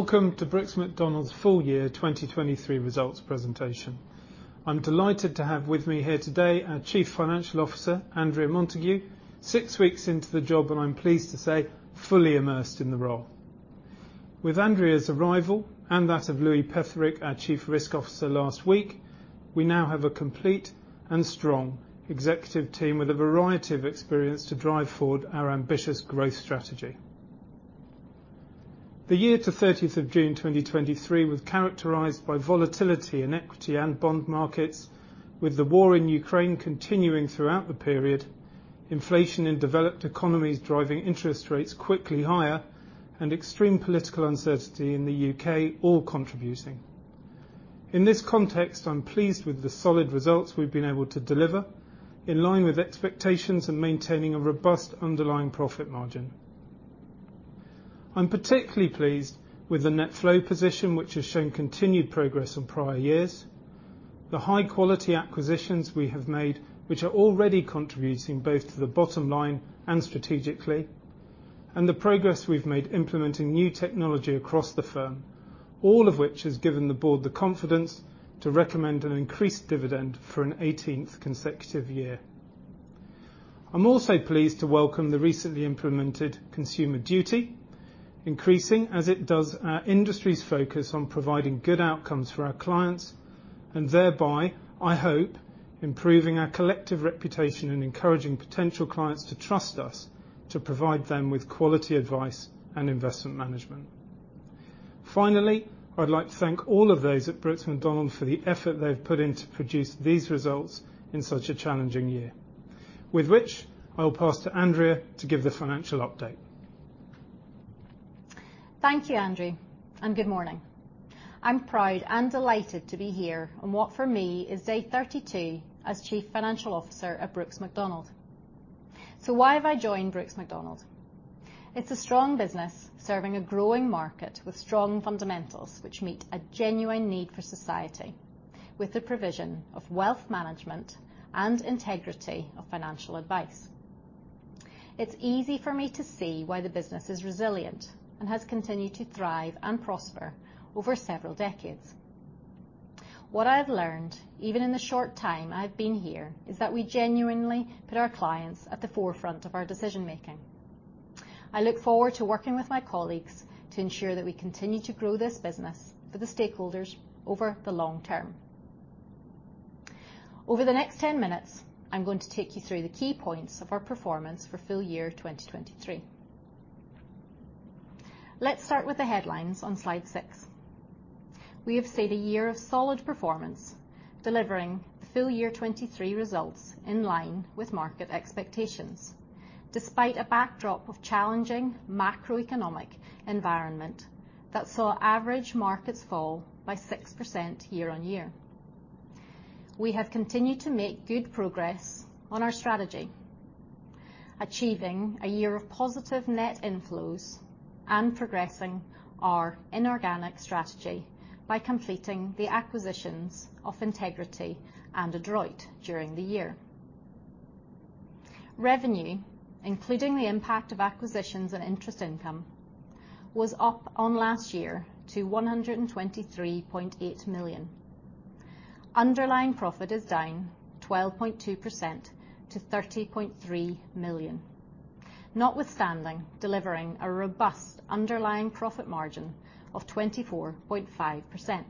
Welcome to Brooks Macdonald's Full Year 2023 Results Presentation. I'm delighted to have with me here today our Chief Financial Officer, Andrea Montague, six weeks into the job, and I'm pleased to say, fully immersed in the role. With Andrea's arrival, and that of Louis Petherick, our Chief Risk Officer, last week, we now have a complete and strong executive team with a variety of experience to drive forward our ambitious growth strategy. The year to 30th June, 2023 was characterized by volatility in equity and bond markets, with the war in Ukraine continuing throughout the period, inflation in developed economies driving interest rates quickly higher, and extreme political uncertainty in the U.K., all contributing. In this context, I'm pleased with the solid results we've been able to deliver, in line with expectations and maintaining a robust underlying profit margin. I'm particularly pleased with the net flow position, which has shown continued progress on prior years, the high quality acquisitions we have made, which are already contributing both to the bottom line and strategically, and the progress we've made implementing new technology across the firm. All of which has given the board the confidence to recommend an increased dividend for an 18th consecutive year. I'm also pleased to welcome the recently implemented Consumer Duty, increasing as it does our industry's focus on providing good outcomes for our clients, and thereby, I hope, improving our collective reputation and encouraging potential clients to trust us to provide them with quality advice and investment management. Finally, I'd like to thank all of those at Brooks Macdonald for the effort they've put in to produce these results in such a challenging year. With which, I will pass to Andrea to give the financial update. Thank you, Andrew, and good morning. I'm proud and delighted to be here on what, for me, is day 32 as Chief Financial Officer at Brooks Macdonald. So why have I joined Brooks Macdonald? It's a strong business, serving a growing market with strong fundamentals, which meet a genuine need for society, with the provision of wealth management and integrity of financial advice. It's easy for me to see why the business is resilient and has continued to thrive and prosper over several decades. What I've learned, even in the short time I've been here, is that we genuinely put our clients at the forefront of our decision-making. I look forward to working with my colleagues to ensure that we continue to grow this business for the stakeholders over the long term. Over the next 10 minutes, I'm going to take you through the key points of our performance for full year 2023. Let's start with the headlines on slide six. We have seen a year of solid performance, delivering the full year 2023 results in line with market expectations, despite a backdrop of challenging macroeconomic environment that saw average markets fall by 6% year-on-year. We have continued to make good progress on our strategy, achieving a year of positive net inflows and progressing our inorganic strategy by completing the acquisitions of Integrity and Adroit during the year. Revenue, including the impact of acquisitions and interest income, was up on last year to 123.8 million. Underlying profit is down 12.2% to 30.3 million, notwithstanding delivering a robust underlying profit margin of 24.5%.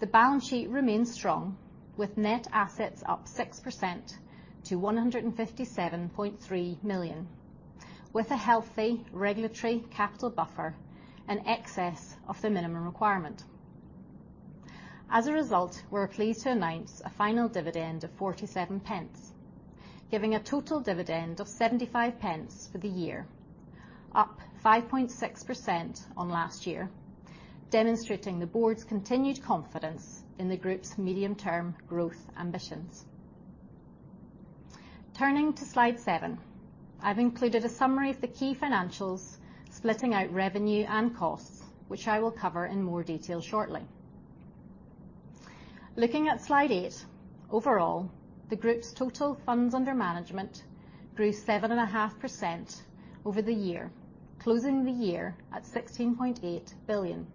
The balance sheet remains strong, with net assets up 6% to 157.3 million, with a healthy regulatory capital buffer in excess of the minimum requirement. As a result, we're pleased to announce a final dividend of 0.47, giving a total dividend of 0.75 for the year, up 5.6% on last year, demonstrating the board's continued confidence in the group's medium-term growth ambitions. Turning to slide seven, I've included a summary of the key financials, splitting out revenue and costs, which I will cover in more detail shortly. Looking at slide eight, overall, the group's total funds under management grew 7.5% over the year, closing the year at 16.8 billion.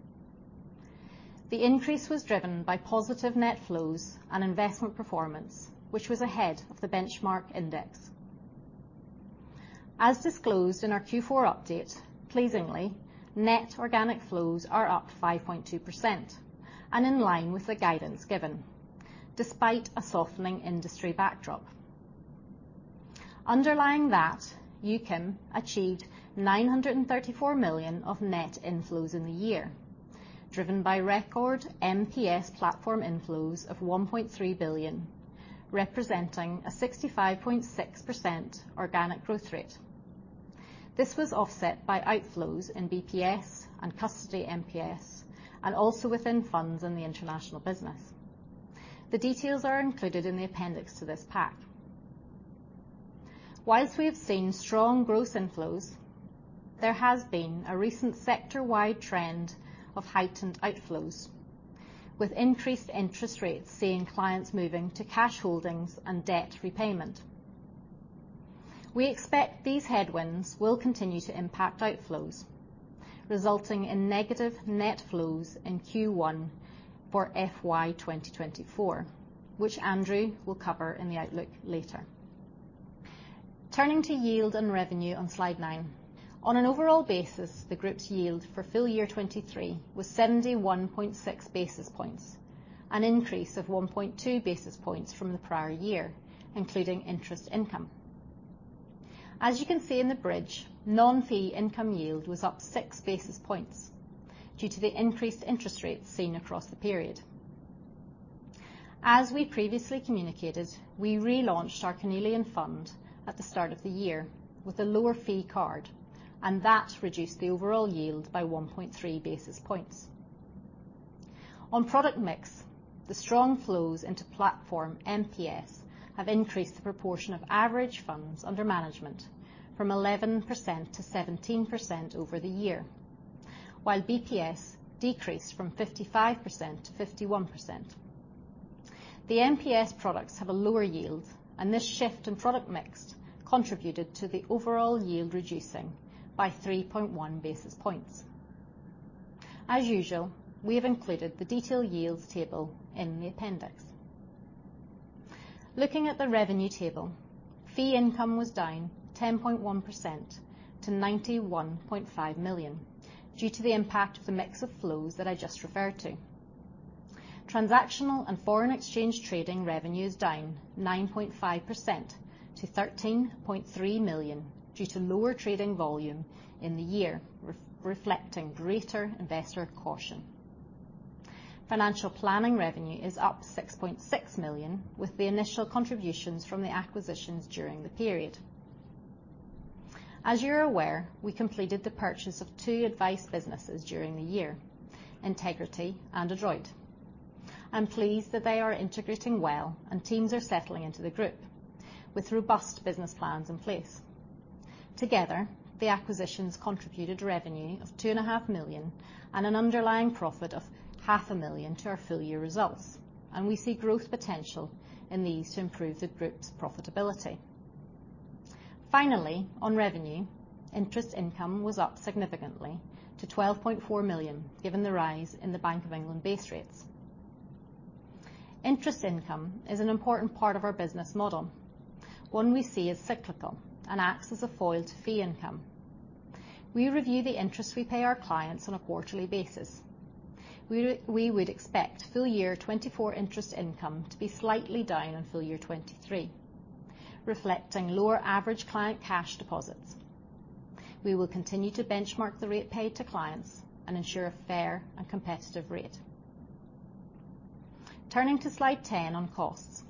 The increase was driven by positive net flows and investment performance, which was ahead of the benchmark index. As disclosed in our Q4 update, pleasingly, net organic flows are up 5.2% and in line with the guidance given, despite a softening industry backdrop. Underlying that, UKIM achieved 934 million of net inflows in the year, driven by record MPS platform inflows of 1.3 billion, representing a 65.6% organic growth rate. This was offset by outflows in BPS and custody MPS, and also within funds in the international business. The details are included in the appendix to this pack. Whilst we have seen strong gross inflows, there has been a recent sector-wide trend of heightened outflows, with increased interest rates seeing clients moving to cash holdings and debt repayment. We expect these headwinds will continue to impact outflows, resulting in negative net flows in Q1 for FY 2024, which Andrew will cover in the outlook later. Turning to yield and revenue on slide nine. On an overall basis, the group's yield for full year 2023 was 71.6 basis points, an increase of 1.2 basis points from the prior year, including interest income. As you can see in the bridge, non-fee income yield was up 6 basis points due to the increased interest rates seen across the period. As we previously communicated, we relaunched our Cornelian Fund at the start of the year with a lower fee card, and that reduced the overall yield by 1.3 basis points. On product mix, the strong flows into platform MPS have increased the proportion of average funds under management from 11%-17% over the year, while BPS decreased from 55%-51%. The MPS products have a lower yield, and this shift in product mix contributed to the overall yield reducing by 3.1 basis points. As usual, we have included the detailed yields table in the appendix. Looking at the revenue table, fee income was down 10.1% to 91.5 million due to the impact of the mix of flows that I just referred to. Transactional and foreign exchange trading revenues down 9.5% to 13.3 million due to lower trading volume in the year, reflecting greater investor caution. Financial planning revenue is up 6.6 million, with the initial contributions from the acquisitions during the period. As you're aware, we completed the purchase of two advice businesses during the year, Integrity and Adroit. I'm pleased that they are integrating well, and teams are settling into the group with robust business plans in place. Together, the acquisitions contributed revenue of 2.5 million and an underlying profit of 0.5 million to our full year results, and we see growth potential in these to improve the group's profitability. Finally, on revenue, interest income was up significantly to 12.4 million, given the rise in the Bank of England base rates. Interest income is an important part of our business model, one we see as cyclical and acts as a foil to fee income. We review the interest we pay our clients on a quarterly basis. We would expect full year 2024 interest income to be slightly down on full year 2023, reflecting lower average client cash deposits. We will continue to benchmark the rate paid to clients and ensure a fair and competitive rate. Turning to slide 10 on costs.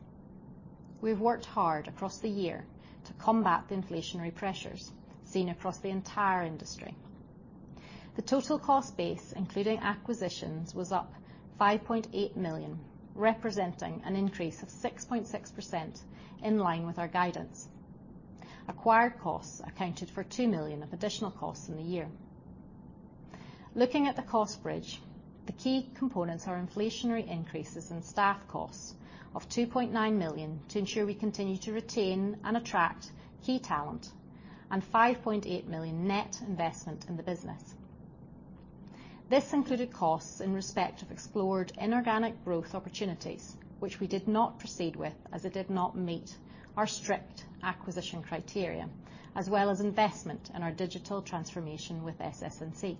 We've worked hard across the year to combat the inflationary pressures seen across the entire industry. The total cost base, including acquisitions, was up 5.8 million, representing an increase of 6.6% in line with our guidance. Acquired costs accounted for 2 million of additional costs in the year. Looking at the cost bridge, the key components are inflationary increases in staff costs of 2.9 million to ensure we continue to retain and attract key talent and 5.8 million net investment in the business. This included costs in respect of explored inorganic growth opportunities, which we did not proceed with as it did not meet our strict acquisition criteria, as well as investment in our digital transformation with SS&C.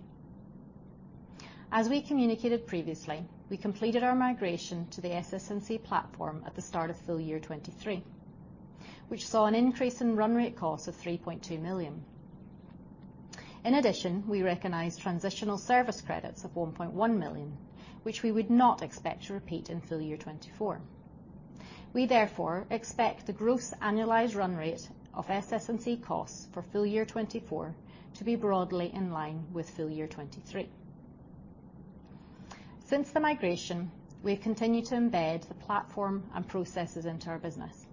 As we communicated previously, we completed our migration to the SS&C platform at the start of full year 2023, which saw an increase in run rate costs of 3.2 million. In addition, we recognized transitional service credits of 1.1 million, which we would not expect to repeat in full year 2024. We therefore expect the gross annualized run rate of SS&C costs for full year 2024 to be broadly in line with full year 2023. Since the migration, we have continued to embed the platform and processes into our business.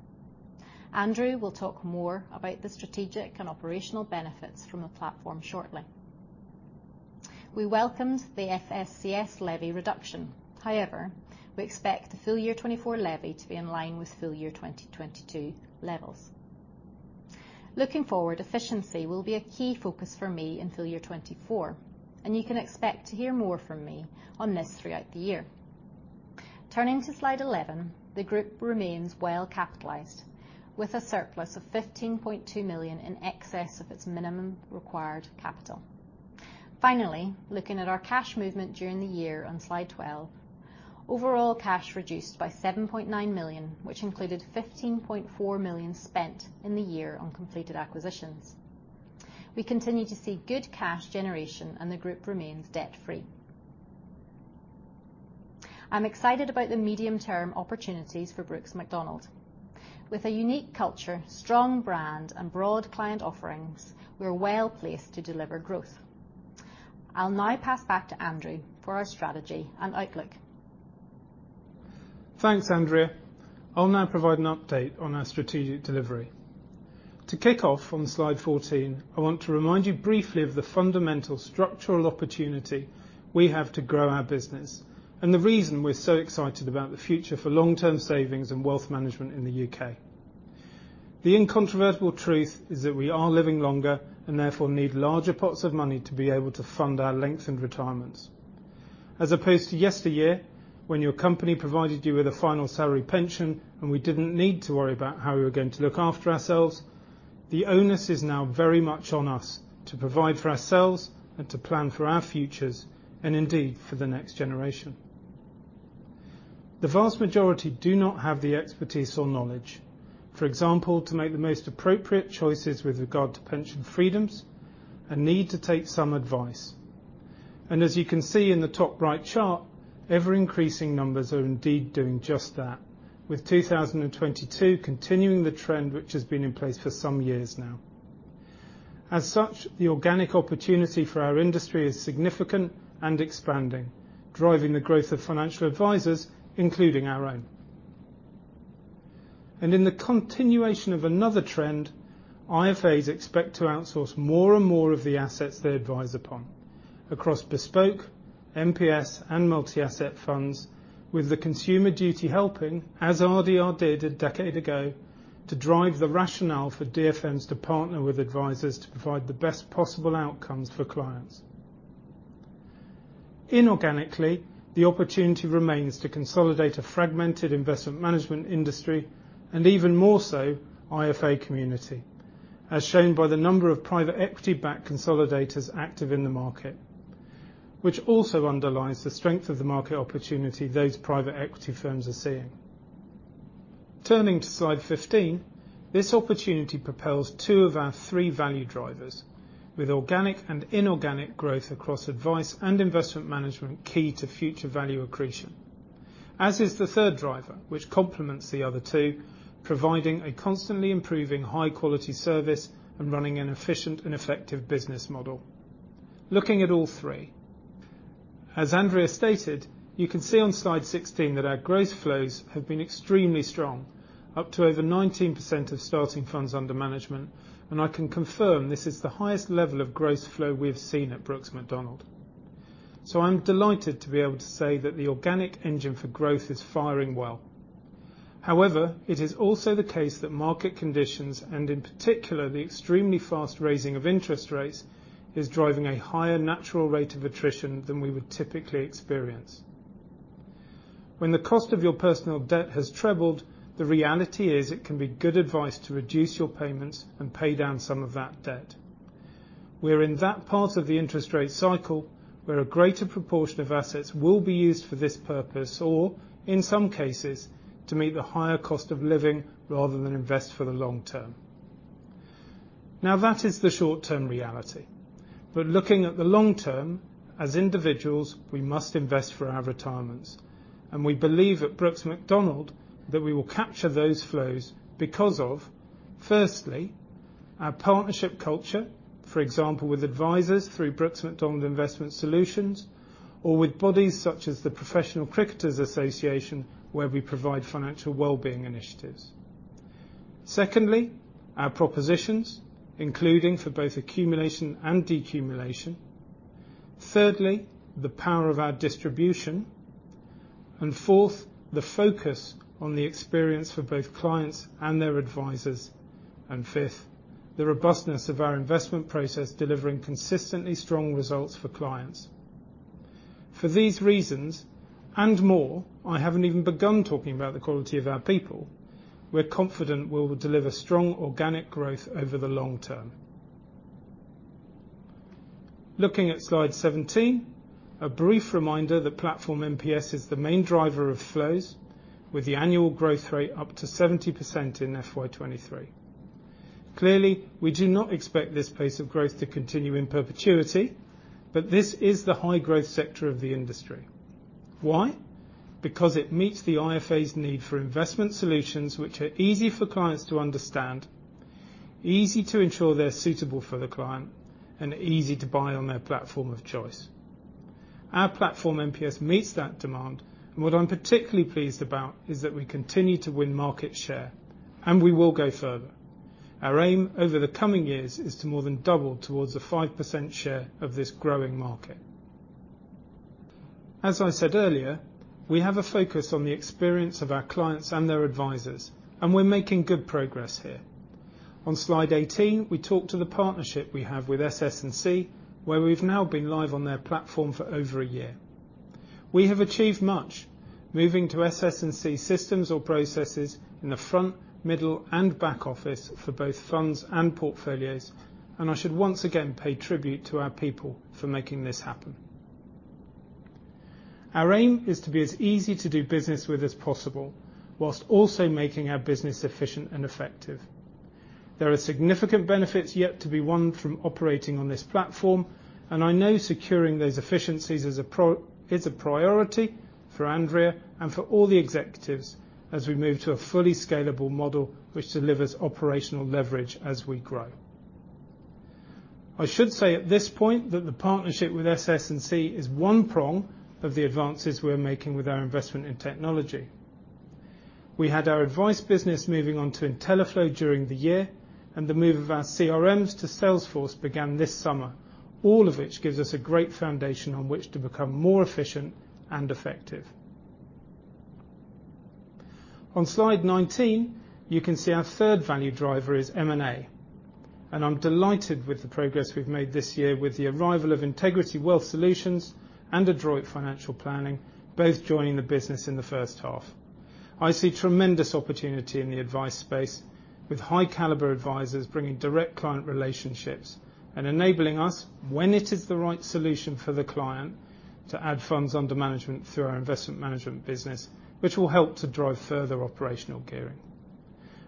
Andrew will talk more about the strategic and operational benefits from the platform shortly. We welcomed the FSCS levy reduction. However, we expect the full year 2024 levy to be in line with full year 2022 levels. Looking forward, efficiency will be a key focus for me in full year 2024, and you can expect to hear more from me on this throughout the year. Turning to slide 11, the group remains well capitalized, with a surplus of 15.2 million in excess of its minimum required capital. Finally, looking at our cash movement during the year on slide 12, overall cash reduced by 7.9 million, which included 15.4 million spent in the year on completed acquisitions. We continue to see good cash generation, and the group remains debt-free. I'm excited about the medium-term opportunities for Brooks Macdonald. With a unique culture, strong brand, and broad client offerings, we are well placed to deliver growth. I'll now pass back to Andrew for our strategy and outlook. Thanks, Andrea. I'll now provide an update on our strategic delivery. To kick off on slide 14, I want to remind you briefly of the fundamental structural opportunity we have to grow our business and the reason we're so excited about the future for long-term savings and wealth management in the U.K. The incontrovertible truth is that we are living longer, and therefore need larger pots of money to be able to fund our lengthened retirements. As opposed to yesteryear, when your company provided you with a final salary pension, and we didn't need to worry about how we were going to look after ourselves, the onus is now very much on us to provide for ourselves and to plan for our futures, and indeed, for the next generation. The vast majority do not have the expertise or knowledge, for example, to make the most appropriate choices with regard to pension freedoms, and need to take some advice. As you can see in the top right chart, ever-increasing numbers are indeed doing just that, with 2022 continuing the trend, which has been in place for some years now. As such, the organic opportunity for our industry is significant and expanding, driving the growth of financial advisors, including our own. In the continuation of another trend, IFAs expect to outsource more and more of the assets they advise upon, across bespoke, MPS, and multi-asset funds, with the Consumer Duty helping, as RDR did a decade ago, to drive the rationale for DFMs to partner with advisors to provide the best possible outcomes for clients. Inorganically, the opportunity remains to consolidate a fragmented investment management industry, and even more so, IFA community, as shown by the number of private equity-backed consolidators active in the market, which also underlines the strength of the market opportunity those private equity firms are seeing. Turning to slide 15, this opportunity propels two of our three value drivers, with organic and inorganic growth across advice and investment management, key to future value accretion. As is the third driver, which complements the other two, providing a constantly improving high-quality service and running an efficient and effective business model. Looking at all three, as Andrea stated, you can see on slide 16 that our gross flows have been extremely strong, up to over 19% of starting funds under management, and I can confirm this is the highest level of gross flow we have seen at Brooks Macdonald. So I'm delighted to be able to say that the organic engine for growth is firing well. However, it is also the case that market conditions, and in particular, the extremely fast raising of interest rates, is driving a higher natural rate of attrition than we would typically experience. When the cost of your personal debt has tripled, the reality is it can be good advice to reduce your payments and pay down some of that debt. We're in that part of the interest rate cycle, where a greater proportion of assets will be used for this purpose, or in some cases, to meet the higher cost of living rather than invest for the long term. Now, that is the short-term reality. But looking at the long term, as individuals, we must invest for our retirements, and we believe at Brooks Macdonald, that we will capture those flows because of, firstly, our partnership culture, for example, with advisors through Brooks Macdonald Investment Solutions, or with bodies such as the Professional Cricketers' Association, where we provide financial well-being initiatives. Secondly, our propositions, including for both accumulation and decumulation. Thirdly, the power of our distribution. And fourth, the focus on the experience for both clients and their advisors. And fifth, the robustness of our investment process, delivering consistently strong results for clients. For these reasons, and more, I haven't even begun talking about the quality of our people, we're confident we will deliver strong organic growth over the long term. Looking at slide 17, a brief reminder that platform MPS is the main driver of flows, with the annual growth rate up to 70% in FY 2023. Clearly, we do not expect this pace of growth to continue in perpetuity, but this is the high-growth sector of the industry. Why? Because it meets the IFA's need for investment solutions, which are easy for clients to understand, easy to ensure they're suitable for the client, and easy to buy on their platform of choice. Our platform, MPS, meets that demand, and what I'm particularly pleased about is that we continue to win market share, and we will go further. Our aim over the coming years is to more than double towards a 5% share of this growing market. As I said earlier, we have a focus on the experience of our clients and their advisors, and we're making good progress here. On Slide 18, we talk to the partnership we have with SS&C, where we've now been live on their platform for over a year. We have achieved much, moving to SS&C systems or processes in the front, middle, and back office for both funds and portfolios, and I should once again pay tribute to our people for making this happen. Our aim is to be as easy to do business with as possible, while also making our business efficient and effective. There are significant benefits yet to be won from operating on this platform, and I know securing those efficiencies is a priority for Andrea and for all the executives as we move to a fully scalable model which delivers operational leverage as we grow. I should say at this point, that the partnership with SS&C is one prong of the advances we're making with our investment in technology. We had our advice business moving on to Intelliflo during the year, and the move of our CRMs to Salesforce began this summer, all of which gives us a great foundation on which to become more efficient and effective.... On slide 19, you can see our third value driver is M&A, and I'm delighted with the progress we've made this year with the arrival of Integrity Wealth Solutions and Adroit Financial Planning, both joining the business in the first half. I see tremendous opportunity in the advice space, with high caliber advisors bringing direct client relationships and enabling us, when it is the right solution for the client, to add funds under management through our investment management business, which will help to drive further operational gearing.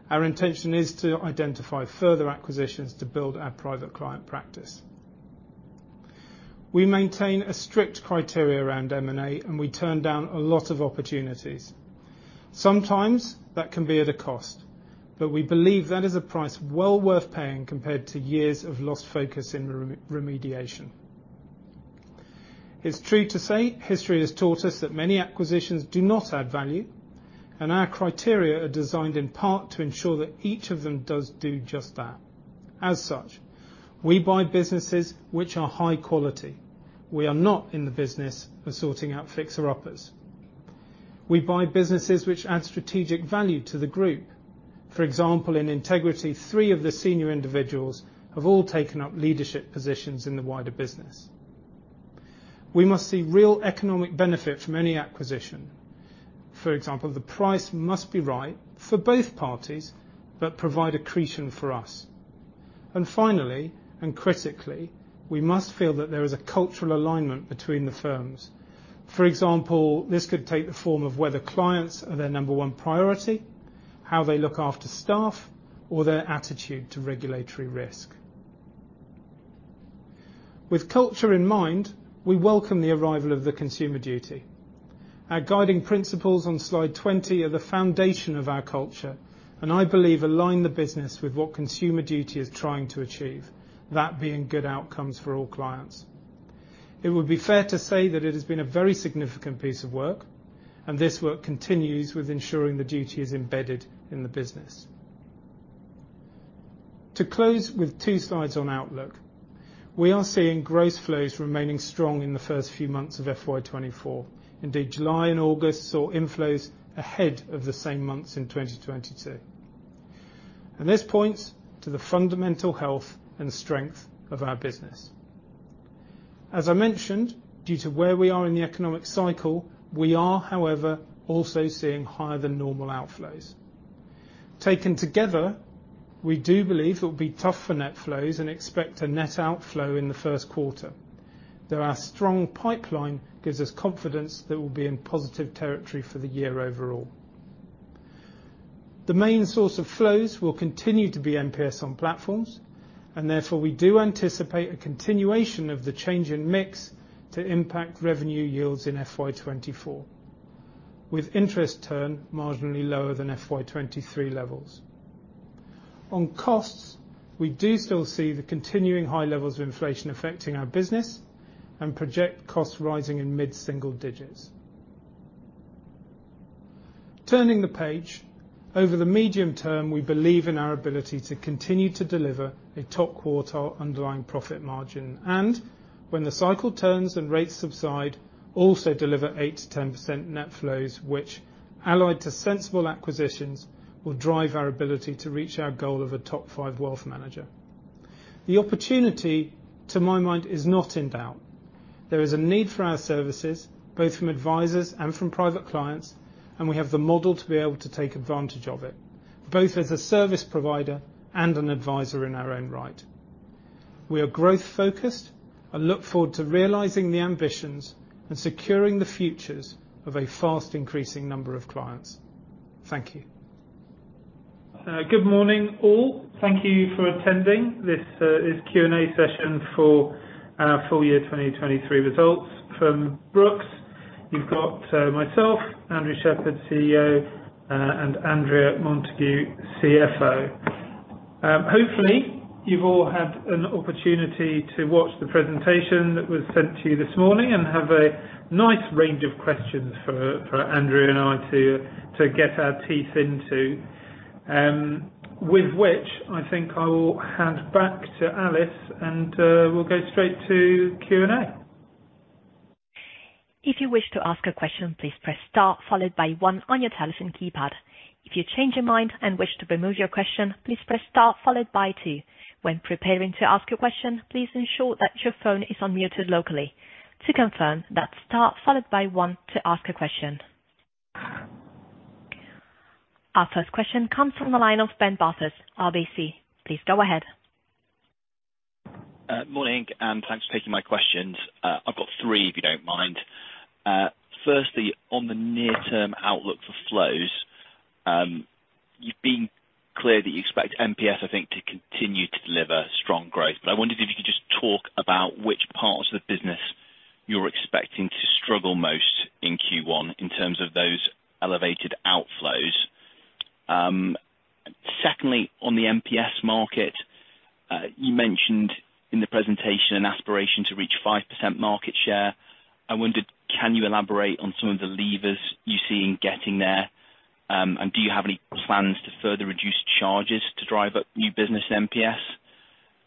Our intention is to identify further acquisitions to build our private client practice. We maintain a strict criteria around M&A, and we turn down a lot of opportunities. Sometimes that can be at a cost, but we believe that is a price well worth paying compared to years of lost focus in remediation. It's true to say, history has taught us that many acquisitions do not add value, and our criteria are designed in part to ensure that each of them does do just that. As such, we buy businesses which are high quality. We are not in the business of sorting out fixer uppers. We buy businesses which add strategic value to the group. For example, in Integrity, three of the senior individuals have all taken up leadership positions in the wider business. We must see real economic benefit from any acquisition. For example, the price must be right for both parties, but provide accretion for us. And finally, and critically, we must feel that there is a cultural alignment between the firms. For example, this could take the form of whether clients are their number one priority, how they look after staff, or their attitude to regulatory risk. With culture in mind, we welcome the arrival of the Consumer Duty. Our guiding principles on slide 20 are the foundation of our culture, and I believe align the business with what Consumer Duty is trying to achieve, that being good outcomes for all clients. It would be fair to say that it has been a very significant piece of work, and this work continues with ensuring the duty is embedded in the business. To close with two slides on outlook, we are seeing gross flows remaining strong in the first few months of FY 2024. Indeed, July and August saw inflows ahead of the same months in 2022. This points to the fundamental health and strength of our business. As I mentioned, due to where we are in the economic cycle, we are, however, also seeing higher than normal outflows. Taken together, we do believe it will be tough for net flows and expect a net outflow in the first quarter, though our strong pipeline gives us confidence that we'll be in positive territory for the year overall. The main source of flows will continue to be MPS on platforms, and therefore, we do anticipate a continuation of the change in mix to impact revenue yields in FY 2024, with interest income marginally lower than FY 2023 levels. On costs, we do still see the continuing high levels of inflation affecting our business and project costs rising in mid-single digits. Turning the page, over the medium term, we believe in our ability to continue to deliver a top quartile underlying profit margin, and when the cycle turns and rates subside, also deliver 8%-10% net flows, which, allied to sensible acquisitions, will drive our ability to reach our goal of a top five wealth manager. The opportunity, to my mind, is not in doubt. There is a need for our services, both from advisors and from private clients, and we have the model to be able to take advantage of it, both as a service provider and an advisor in our own right. We are growth focused and look forward to realizing the ambitions and securing the futures of a fast increasing number of clients. Thank you. Good morning, all. Thank you for attending. This is Q&A session for our full year 2023 results from Brooks. You've got myself, Andrew Shepherd, CEO, and Andrea Montague, CFO. Hopefully, you've all had an opportunity to watch the presentation that was sent to you this morning and have a nice range of questions for Andrea and I to get our teeth into. With which, I think I will hand back to Alice, and we'll go straight to Q&A. If you wish to ask a question, please press star, followed by one on your telephone keypad. If you change your mind and wish to remove your question, please press star followed by two. When preparing to ask a question, please ensure that your phone is unmuted locally. To confirm, that's star followed by one to ask a question. Our first question comes from the line of Ben Bathurst, RBC. Please go ahead. Morning, and thanks for taking my questions. I've got three, if you don't mind. Firstly, on the near-term outlook for flows, you've been clear that you expect MPS, I think, to continue to deliver strong growth, but I wondered if you could just talk about which parts of the business you're expecting to struggle most in Q1 in terms of those elevated outflows. Secondly, on the MPS market, you mentioned in the presentation an aspiration to reach 5% market share. I wondered, can you elaborate on some of the levers you see in getting there? And do you have any plans to further reduce charges to drive up new business MPS?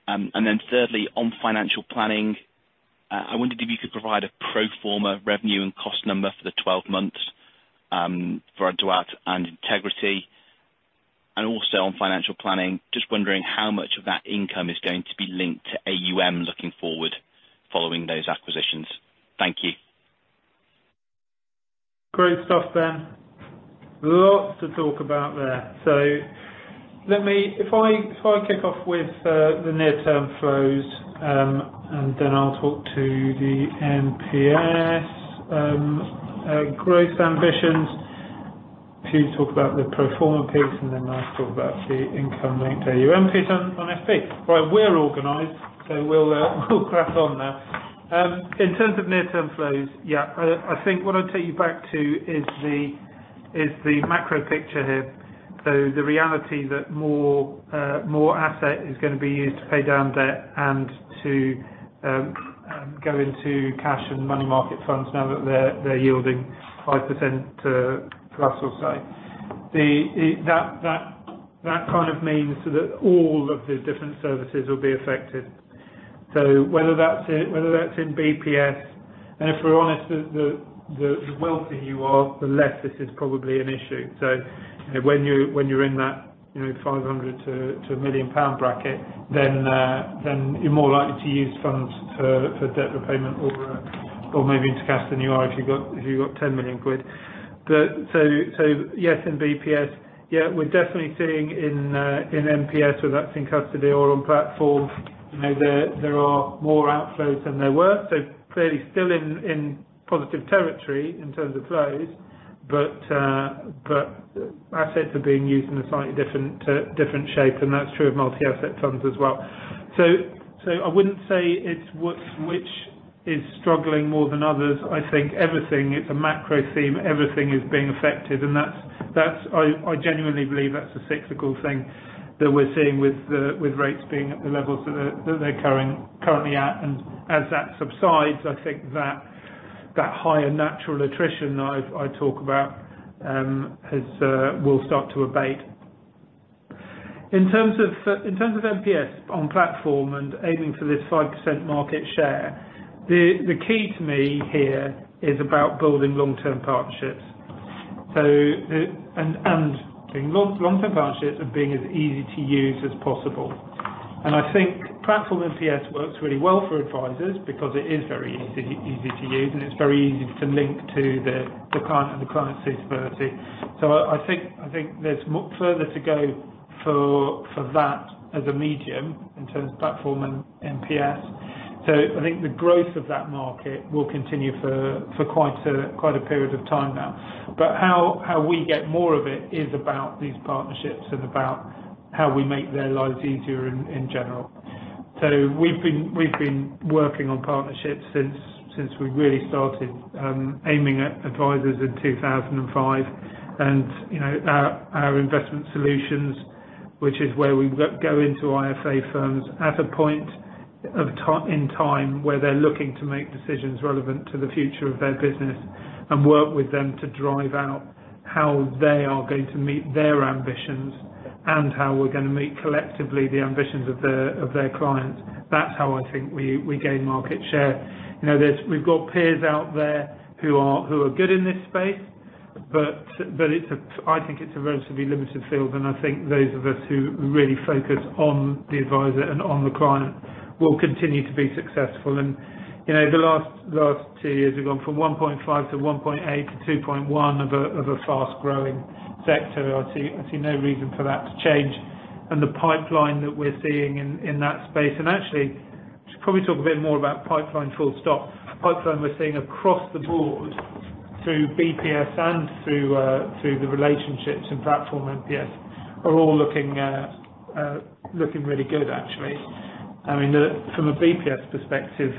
And then thirdly, on financial planning, I wondered if you could provide a pro forma revenue and cost number for the 12 months, for Adroit and Integrity. Also on financial planning, just wondering how much of that income is going to be linked to AUM looking forward, following those acquisitions? Thank you. Great stuff, Ben. Lots to talk about there. So let me—if I, if I kick off with the near-term flows, and then I'll talk to the MPS growth ambitions. Pete will talk about the pro forma piece, and then I'll talk about the income linked to AUM piece on FP. Right, we're organized, so we'll crack on now. In terms of near-term flows, yeah, I think what I'd take you back to is the macro picture here. So the reality that more asset is gonna be used to pay down debt and to go into cash and money market funds now that they're yielding 5% plus or so. That kind of means that all of the different services will be affected. So whether that's in BPS, and if we're honest, the wealthier you are, the less this is probably an issue. So when you're in that, you know, 500-1 million pound bracket, then you're more likely to use funds for debt repayment or maybe to cash than you are if you've got 10 million quid. But so yes, in BPS, yeah, we're definitely seeing in MPS, whether that's in custody or on platform, you know, there are more outflows than there were. So clearly still in positive territory in terms of flows, but assets are being used in a slightly different shape, and that's true of multi-asset funds as well. So I wouldn't say it's which is struggling more than others. I think everything, it's a macro theme, everything is being affected, and that's—I genuinely believe that's a cyclical thing that we're seeing with the, with rates being at the levels that they're currently at. And as that subsides, I think that higher natural attrition that I've talked about will start to abate. In terms of MPS on platform and aiming for this 5% market share, the key to me here is about building long-term partnerships. So, and long-term partnerships are being as easy to use as possible. And I think platform MPS works really well for advisors because it is very easy to use, and it's very easy to link to the client and the client's suitability. So I think there's much further to go for that as a medium in terms of platform and MPS. So I think the growth of that market will continue for quite a period of time now. But how we get more of it is about these partnerships and about how we make their lives easier in general. So we've been working on partnerships since we really started aiming at advisors in 2005. You know, our investment solutions, which is where we go into IFA firms at a point in time, where they're looking to make decisions relevant to the future of their business, and work with them to drive out how they are going to meet their ambitions, and how we're gonna meet, collectively, the ambitions of their clients. That's how I think we gain market share. You know, we've got peers out there who are good in this space, but it's a relatively limited field, and I think those of us who really focus on the advisor and on the client will continue to be successful. You know, the last two years have gone from 1.5%-1.8%-2.1% of a fast-growing sector. I see, I see no reason for that to change. The pipeline that we're seeing in that space... Actually, should probably talk a bit more about pipeline full stop. Pipeline we're seeing across the board, through BPS and through the relationships and platform MPS, are all looking really good, actually. I mean, from a BPS perspective,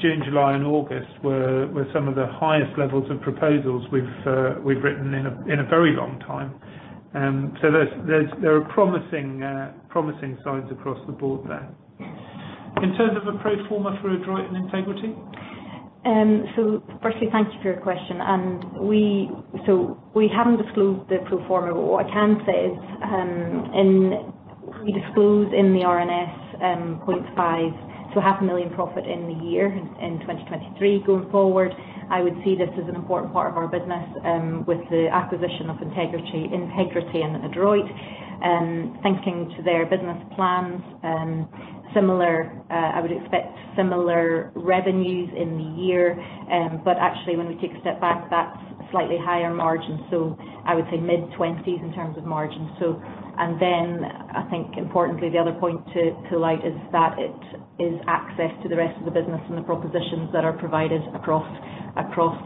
June, July, and August were some of the highest levels of proposals we've written in a very long time. So there are promising signs across the board there. In terms of a pro forma for Adroit and Integrity? So firstly, thank you for your question. So we haven't disclosed the pro forma, but what I can say is, we disclose in the RNS, 0.5, so 0.5 million profit in the year, in 2023. Going forward, I would see this as an important part of our business, with the acquisition of Integrity, Integrity and Adroit, thinking to their business plans, similar, I would expect similar revenues in the year. But actually, when we take a step back, that's a slightly higher margin, so I would say mid-20s% in terms of margin. So, and then I think importantly, the other point to highlight is that it is access to the rest of the business and the propositions that are provided across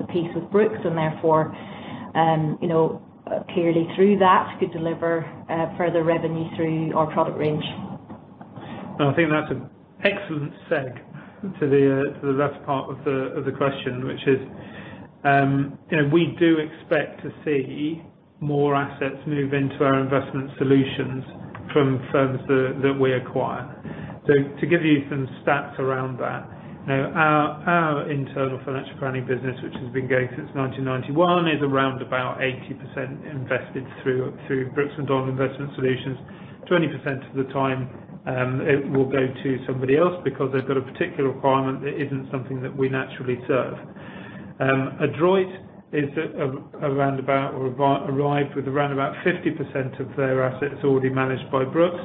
the piece of Brooks, and therefore, you know, clearly through that could deliver further revenue through our product range. I think that's an excellent segue to the last part of the question, which is, you know, we do expect to see more assets move into our investment solutions from firms that we acquire. So to give you some stats around that, you know, our internal financial planning business, which has been going since 1991, is around about 80% invested through Brooks Macdonald Investment Solutions. 20% of the time, it will go to somebody else because they've got a particular requirement that isn't something that we naturally serve. Adroit is around about or arrived with around about 50% of their assets already managed by Brooks.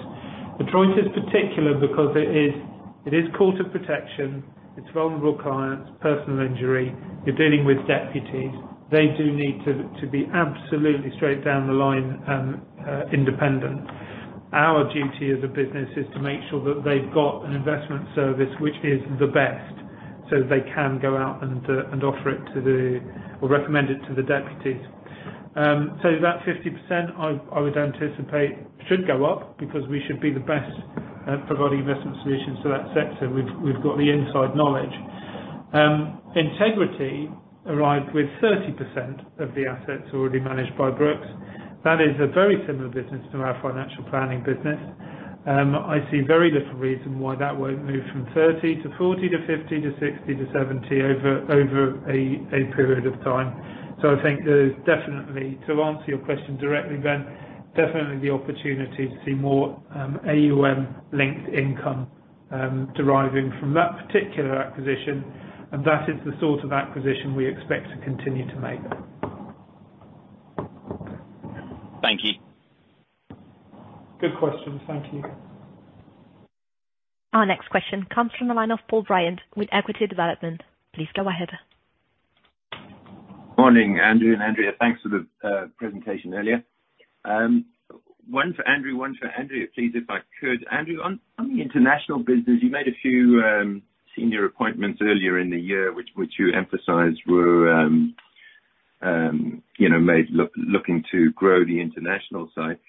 Adroit is particular because it is Court of Protection, it's vulnerable clients, personal injury, you're dealing with deputies. They do need to be absolutely straight down the line independent. Our duty as a business is to make sure that they've got an investment service, which is the best, so they can go out and offer it to the... Or recommend it to the deputies. So that 50%, I would anticipate should go up because we should be the best at providing investment solutions to that sector. We've got the inside knowledge. Integrity arrived with 30% of the assets already managed by Brooks. That is a very similar business to our financial planning business. I see very little reason why that won't move from 30 to 40 to 50 to 60 to 70 over a period of time. So I think there's definitely, to answer your question directly, Ben, definitely the opportunity to see more AUM-linked income deriving from that particular acquisition, and that is the sort of acquisition we expect to continue to make. Thank you. Good questions. Thank you. Our next question comes from the line of Paul Bryant with Equity Development. Please go ahead. Morning, Andrew and Andrea. Thanks for the presentation earlier. One for Andrew, one for Andrea, please, if I could. Andrew, on the international business, you made a few senior appointments earlier in the year, which you emphasized were, you know, made looking to grow the international side.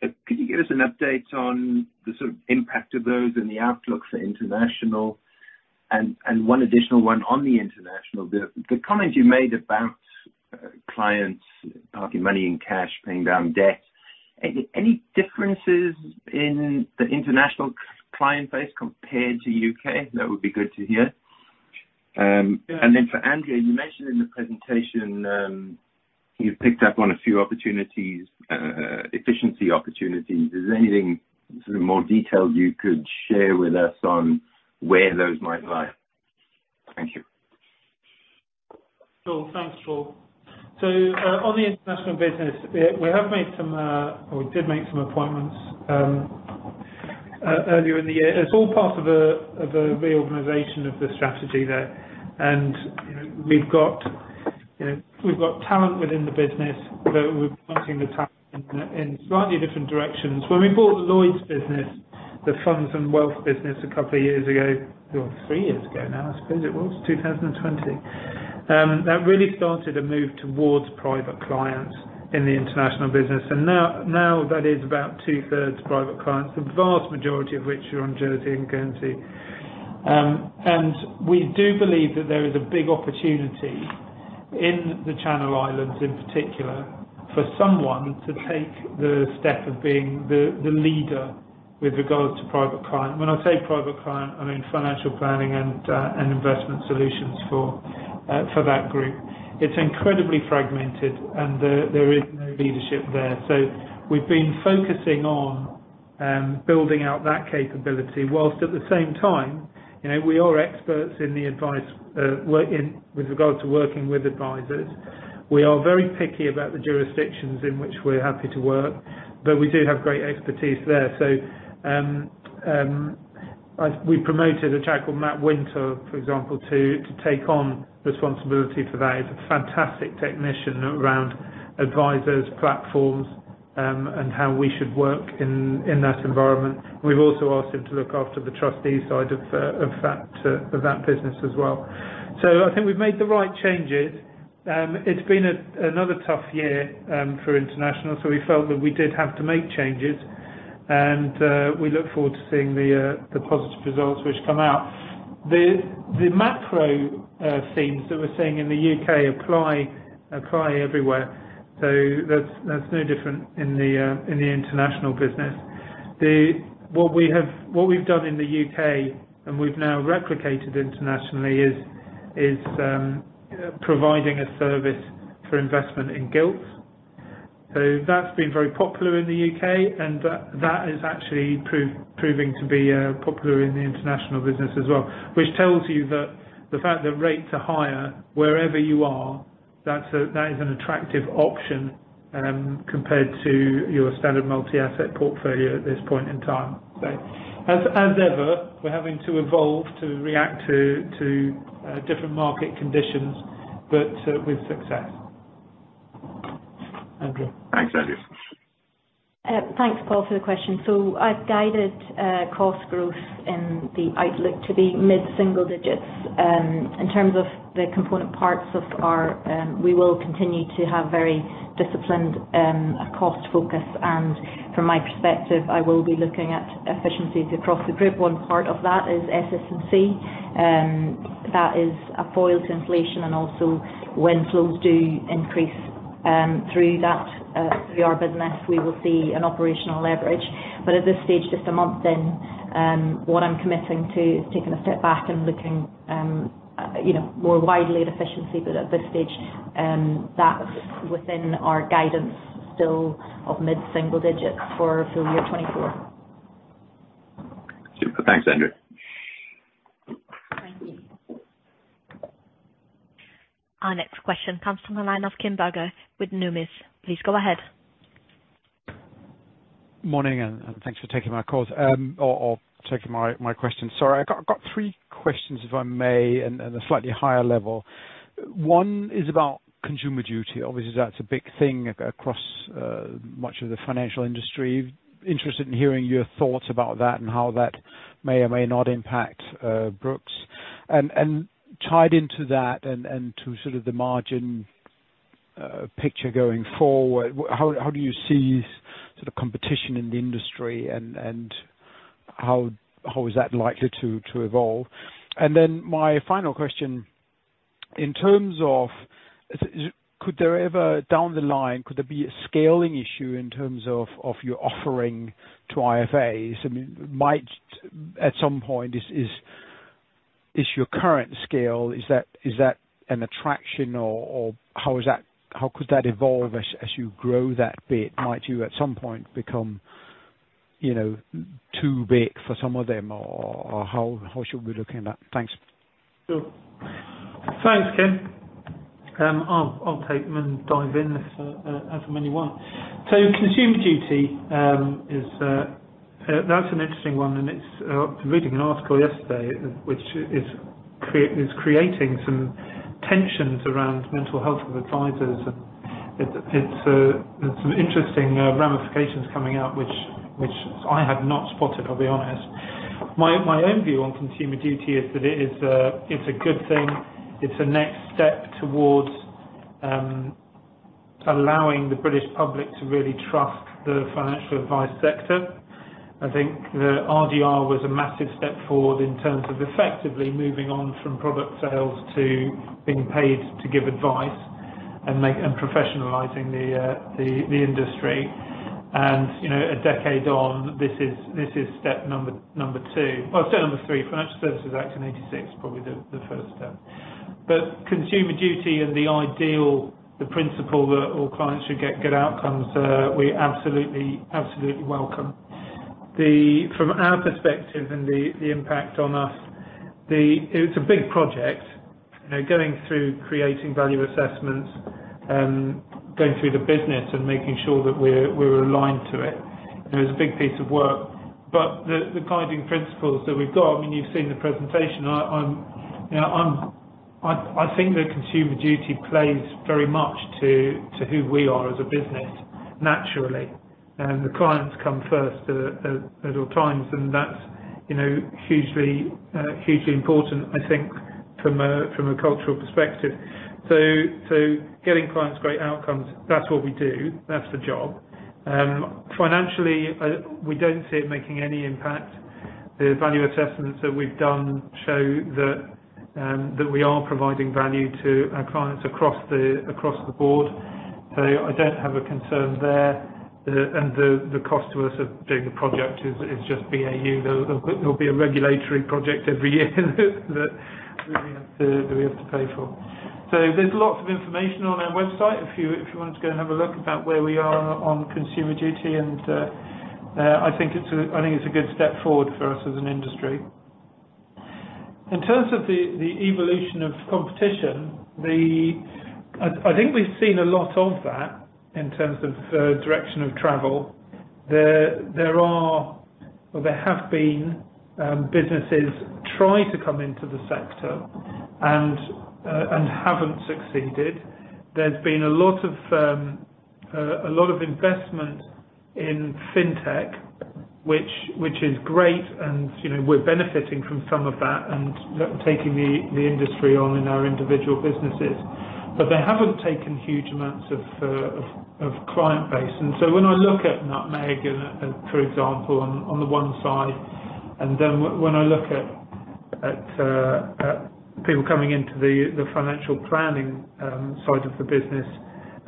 Could you give us an update on the sort of impact of those and the outlook for international? And one additional one on the international, the comment you made about clients parking money in cash, paying down debt. Any differences in the international client base compared to U.K.? That would be good to hear. Yeah. And then for Andrea, you mentioned in the presentation, you've picked up on a few opportunities, efficiency opportunities. Is there anything, sort of, more detailed you could share with us on where those might lie? Thank you. Sure. Thanks, Paul. So, on the international business, we have made some. Or we did make some appointments earlier in the year. It's all part of a reorganization of the strategy there. And, you know, we've got talent within the business, but we're pointing the talent in slightly different directions. When we bought the Lloyds business, the funds and wealth business a couple of years ago, or three years ago now, I suppose it was, 2020, that really started a move towards private clients in the international business. And now, now that is about 2/3 private clients, the vast majority of which are on Jersey and Guernsey. And we do believe that there is a big opportunity in the Channel Islands, in particular, for someone to take the step of being the leader with regards to private client. When I say private client, I mean financial planning and investment solutions for that group. It's incredibly fragmented, and there is no leadership there. So we've been focusing on building out that capability, whilst at the same time, you know, we are experts in the advice working with advisors. With regard to working with advisors. We are very picky about the jurisdictions in which we're happy to work, but we do have great expertise there. So we promoted a chap called Matt Winter, for example, to take on responsibility for that. He's a fantastic technician around advisors, platforms, and how we should work in that environment. We've also asked him to look after the trustee side of that business as well. So I think we've made the right changes. It's been another tough year for international, so we felt that we did have to make changes. And we look forward to seeing the positive results which come out. The macro themes that we're seeing in the U.K. apply everywhere. So that's no different in the international business. What we have, what we've done in the U.K., and we've now replicated internationally, is providing a service for investment in gilts. So that's been very popular in the U.K., and that is actually proving to be popular in the international business as well. Which tells you that the fact that rates are higher wherever you are, that's a, that is an attractive option, compared to your standard multi-asset portfolio at this point in time. So as, as ever, we're having to evolve to react to different market conditions, but, with success. Andrea? Thanks, Andrew. Thanks, Paul, for the question. So I've guided cost growth in the outlook to be mid-single digits. In terms of the component parts of our, we will continue to have very disciplined cost focus. And from my perspective, I will be looking at efficiencies across the group. One part of that is SS&C, that is a foil to inflation and also when flows do increase through that, through our business, we will see an operational leverage. But at this stage, just a month in, what I'm committing to is taking a step back and looking, you know, more widely at efficiency. But at this stage, that's within our guidance, still of mid-single digits for full year 2024. So thanks, Andrea. Thank you. Our next question comes from the line of Kim Bergoe with Numis. Please go ahead. Morning, and thanks for taking my call. Or taking my question. Sorry, I've got three questions, if I may, and at a slightly higher level. One is about Consumer Duty. Obviously, that's a big thing across much of the financial industry. Interested in hearing your thoughts about that, and how that may or may not impact Brooks. And tied into that, and to sort of the margin picture going forward, how do you see sort of competition in the industry and how is that likely to evolve? And then my final question, in terms of... is, could there ever, down the line, could there be a scaling issue in terms of your offering to IFAs? I mean, might at some point is your current scale is that an attraction or how is that—how could that evolve as you grow that bit? Might you at some point become you know too big for some of them or how should we be looking at that? Thanks. Sure. Thanks, Kim. I'll take them and dive in, if I may one. So Consumer Duty is that's an interesting one, and it's. I was reading an article yesterday, which is creating some tensions around mental health of advisors. And it, it's, there's some interesting ramifications coming out, which I had not spotted, I'll be honest. My own view on Consumer Duty is that it is, it's a good thing. It's a next step towards allowing the British public to really trust the financial advice sector. I think the RDR was a massive step forward in terms of effectively moving on from product sales to being paid to give advice and make and professionalizing the industry. And, you know, a decade on, this is step number two. Well, step number three, Financial Services Act in 1986, probably the first step. But Consumer Duty and the ideal, the principle that all clients should get good outcomes, we absolutely, absolutely welcome. From our perspective and the impact on us, it's a big project, you know, going through creating value assessments, going through the business and making sure that we're aligned to it. It was a big piece of work. But the guiding principles that we've got, I mean, you've seen the presentation. I'm, you know, I think that Consumer Duty plays very much to who we are as a business, naturally. The clients come first at all times, and that's, you know, hugely important, I think, from a cultural perspective. So getting clients great outcomes, that's what we do. That's the job. Financially, we don't see it making any impact. The value assessments that we've done show that, that we are providing value to our clients across the board. So I don't have a concern there. The cost to us of doing the project is just BAU. There'll be a regulatory project every year that we have to pay for. So there's lots of information on our website, if you want to go and have a look about where we are on Consumer Duty, and I think it's a good step forward for us as an industry. In terms of the evolution of competition, I think we've seen a lot of that, in terms of direction of travel. There are, or there have been, businesses trying to come into the sector and haven't succeeded. There's been a lot of investment in fintech, which is great, and, you know, we're benefiting from some of that, and taking the industry on in our individual businesses. But they haven't taken huge amounts of client base. And so when I look at Nutmeg, for example, on the one side, and then when I look at people coming into the financial planning side of the business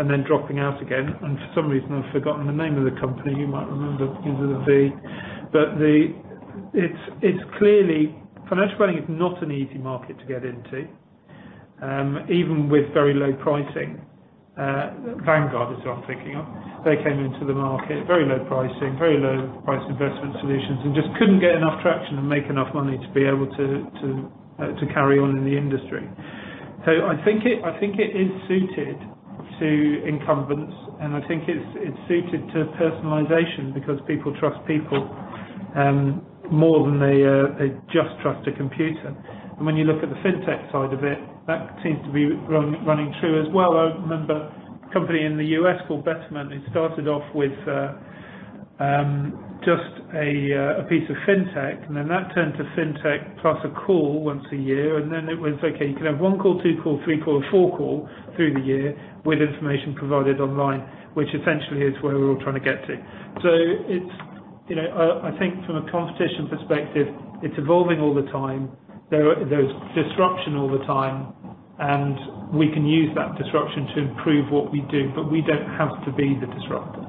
and then dropping out again, and for some reason, I've forgotten the name of the company, you might remember. It was a V. But the... It's clearly financial planning is not an easy market to get into, even with very low pricing. Vanguard is what I'm thinking of. They came into the market, very low pricing, very low price investment solutions, and just couldn't get enough traction and make enough money to be able to carry on in the industry. So I think it is suited to incumbents, and I think it's suited to personalization, because people trust people more than they just trust a computer. And when you look at the fintech side of it, that seems to be running true as well. I remember a company in the U.S. called Betterment. They started off with just a piece of fintech, and then that turned to fintech, plus a call once a year, and then it was, okay, you can have one call, two call, three call, or four call through the year, with information provided online, which essentially is where we're all trying to get to. So it's, you know, I think from a competition perspective, it's evolving all the time. There's disruption all the time, and we can use that disruption to improve what we do, but we don't have to be the disruptor.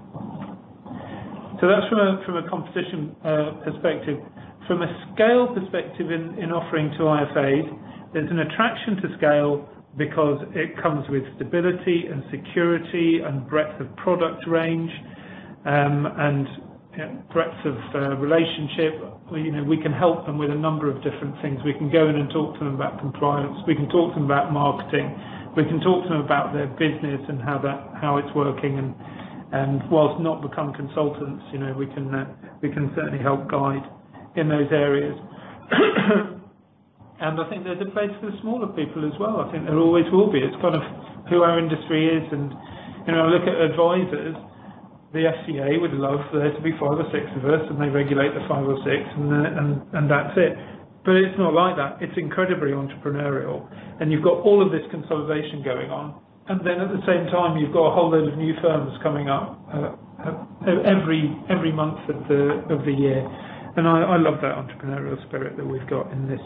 So that's from a, from a competition perspective. From a scale perspective in offering to IFAs, there's an attraction to scale because it comes with stability and security and breadth of product range, and threats of relationship. You know, we can help them with a number of different things. We can go in and talk to them about compliance. We can talk to them about marketing. We can talk to them about their business and how that, how it's working, and whilst not become consultants, you know, we can, we can certainly help guide in those areas. And I think there's a place for the smaller people as well. I think there always will be. It's kind of who our industry is, and, you know, look at advisers. The FCA would love for there to be five or six of us, and they regulate the five or six, and then, and that's it. But it's not like that. It's incredibly entrepreneurial, and you've got all of this consolidation going on, and then, at the same time, you've got a whole load of new firms coming up every month of the year. And I love that entrepreneurial spirit that we've got in this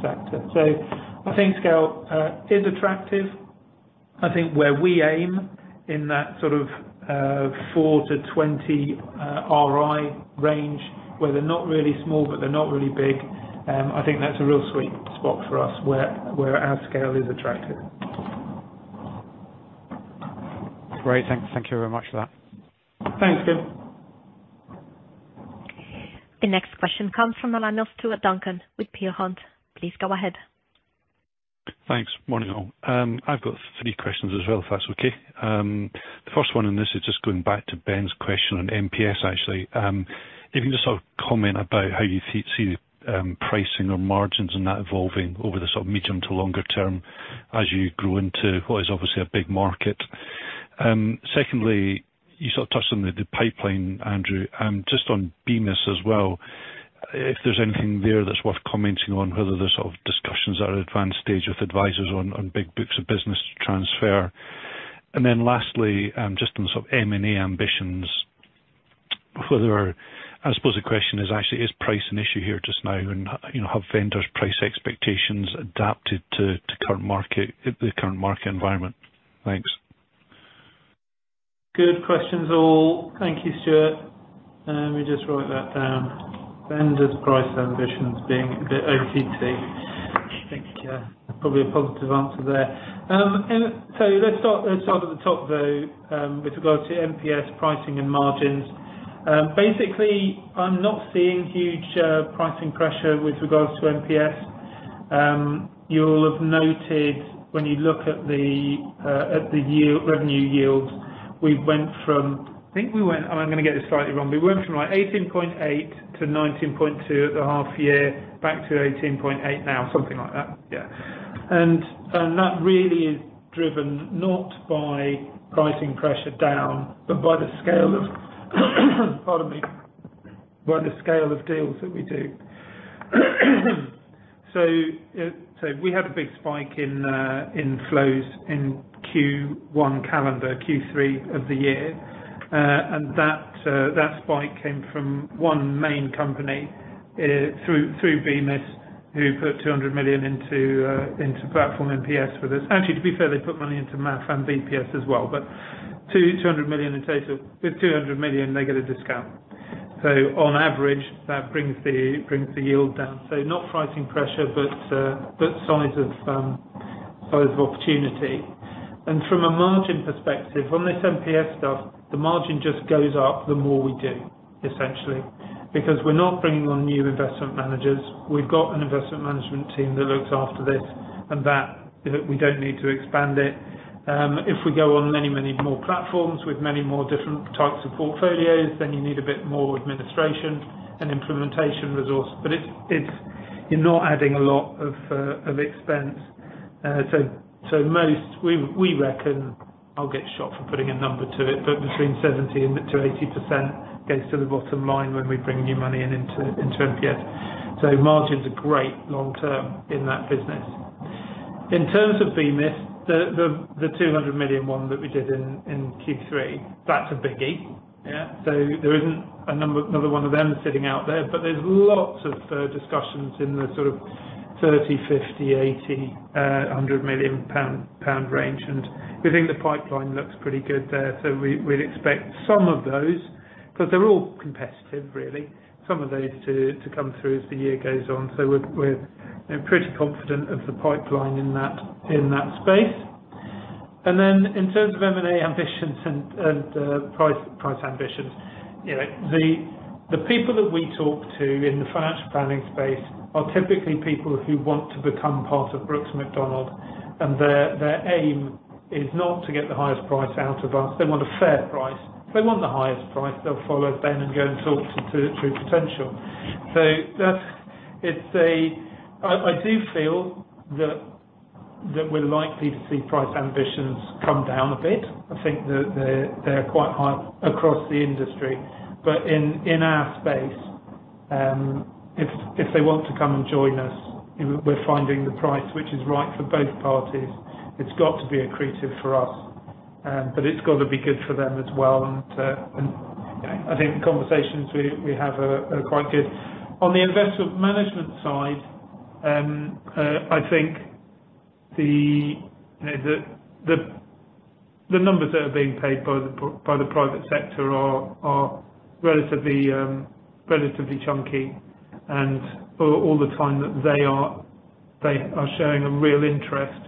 sector. So I think scale is attractive. I think where we aim in that sort of 4-20 RI range, where they're not really small, but they're not really big, I think that's a real sweet spot for us, where our scale is attractive. Great. Thank you very much for that. Thanks, Kim. The next question comes from the line of Stuart Duncan with Peel Hunt. Please go ahead. Thanks. Morning, all. I've got three questions as well, if that's okay? The first one, and this is just going back to Ben's question on MPS, actually. If you can just sort of comment about how you see pricing or margins in that evolving over the sort of medium to longer term, as you grow into what is obviously a big market. Secondly, you sort of touched on the pipeline, Andrew, just on BMIS as well, if there's anything there that's worth commenting on, whether there's sort of discussions at an advanced stage with advisors on big books of business to transfer. And then lastly, just on the sort of M&A ambitions, whether... I suppose the question is actually, is price an issue here just now, and, you know, have vendors' price expectations adapted to current market, the current market environment? Thanks. Good questions, all. Thank you, Stuart. Let me just write that down. Vendors' price ambitions being a bit OTT. Thank you. Probably a positive answer there. And so let's start, let's start at the top, though, with regard to MPS pricing and margins. Basically, I'm not seeing huge pricing pressure with regards to MPS. You'll have noted when you look at the yield, revenue yield, we went from... I think we went, and I'm gonna get this slightly wrong. We went from, like, 18.8-19.2 at the half year, back to 18.8 now, something like that. Yeah. And that really is driven not by pricing pressure down, but by the scale of, pardon me, by the scale of deals that we do. So, we had a big spike in flows in Q1 calendar, Q3 of the year. And that spike came from one main company, through BMIS, who put 200 million into platform MPS with us. Actually, to be fair, they put money into MAF and BPS as well, but 200 million in total. With 200 million, they get a discount. So on average, that brings the yield down. So not pricing pressure, but size of opportunity. And from a margin perspective, on this MPS stuff, the margin just goes up, the more we do, essentially. Because we're not bringing on new investment managers. We've got an investment management team that looks after this, and that we don't need to expand it. If we go on many, many more platforms, with many more different types of portfolios, then you need a bit more administration and implementation resource. But it's. You're not adding a lot of expense. So most, we reckon, I'll get shot for putting a number to it, but between 70% and 80% goes to the bottom line when we bring new money in, into MPS. So margins are great long-term in that business. In terms of BMIS, the 200 million one that we did in Q3, that's a biggie. Yeah. So there isn't another one of them sitting out there, but there's lots of discussions in the sort of 30 million pound, GBP 50 million, GBP 80 million, 100 million-pound range, and we think the pipeline looks pretty good there. So we'd expect some of those, 'cause they're all competitive, really. Some of those to come through as the year goes on. So we're, you know, pretty confident of the pipeline in that space. And then, in terms of M&A ambitions and price ambitions, you know, the people that we talk to in the financial planning space are typically people who want to become part of Brooks Macdonald, and their aim is not to get the highest price out of us. They want a fair price. If they want the highest price, they'll follow Ben and go and talk to True Potential. So that's, it's a... I do feel that we're likely to see price ambitions come down a bit. I think that they're quite high across the industry, but in our space, if they want to come and join us, we're finding the price which is right for both parties. It's got to be accretive for us, but it's got to be good for them as well. And I think the conversations we have are quite good. On the investment management side, I think you know the numbers that are being paid by the private sector are relatively chunky. And all the time that they are showing a real interest...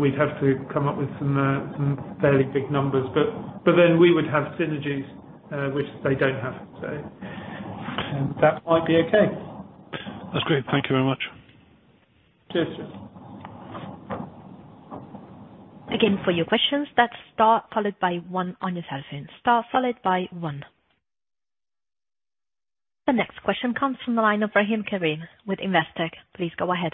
we'd have to come up with some fairly big numbers, but then we would have synergies which they don't have, so. And that might be okay. That's great. Thank you very much. Cheers. Again, for your questions, that's star followed by one on your cell phone. Star followed by one. The next question comes from the line of Rahim Karim with Investec. Please go ahead.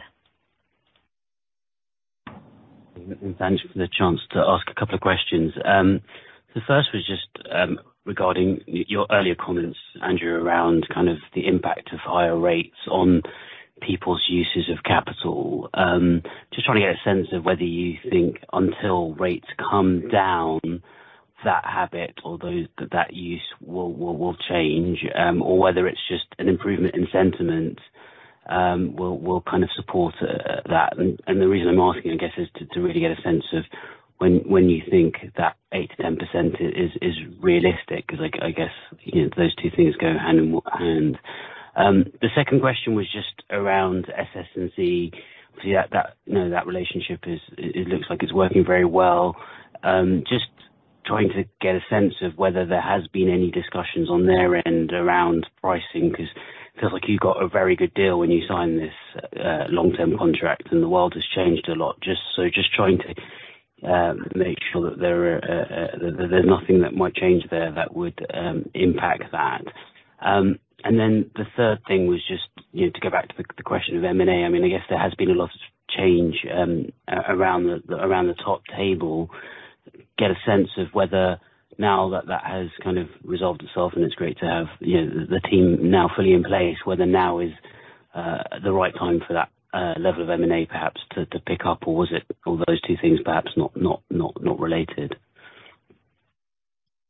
Thanks for the chance to ask a couple of questions. The first was just regarding your earlier comments, Andrew, around kind of the impact of higher rates on people's uses of capital. Just want to get a sense of whether you think until rates come down, that habit or those - that use will change, or whether it's just an improvement in sentiment will kind of support that. And the reason I'm asking, I guess, is to really get a sense of when you think that 8%-10% is realistic? Because I guess, you know, those two things go hand in hand. The second question was just around SS&C. So that, you know, that relationship is; it looks like it's working very well. Just trying to get a sense of whether there has been any discussions on their end around pricing, because it feels like you got a very good deal when you signed this long-term contract, and the world has changed a lot. Just trying to make sure that there's nothing that might change there that would impact that. And then the third thing was just, you know, to go back to the question of M&A. I mean, I guess there has been a lot of change around the top table. Get a sense of whether now that that has kind of resolved itself, and it's great to have, you know, the team now fully in place, whether now is the right time for that level of M&A, perhaps, to pick up, or was it all those two things, perhaps not related?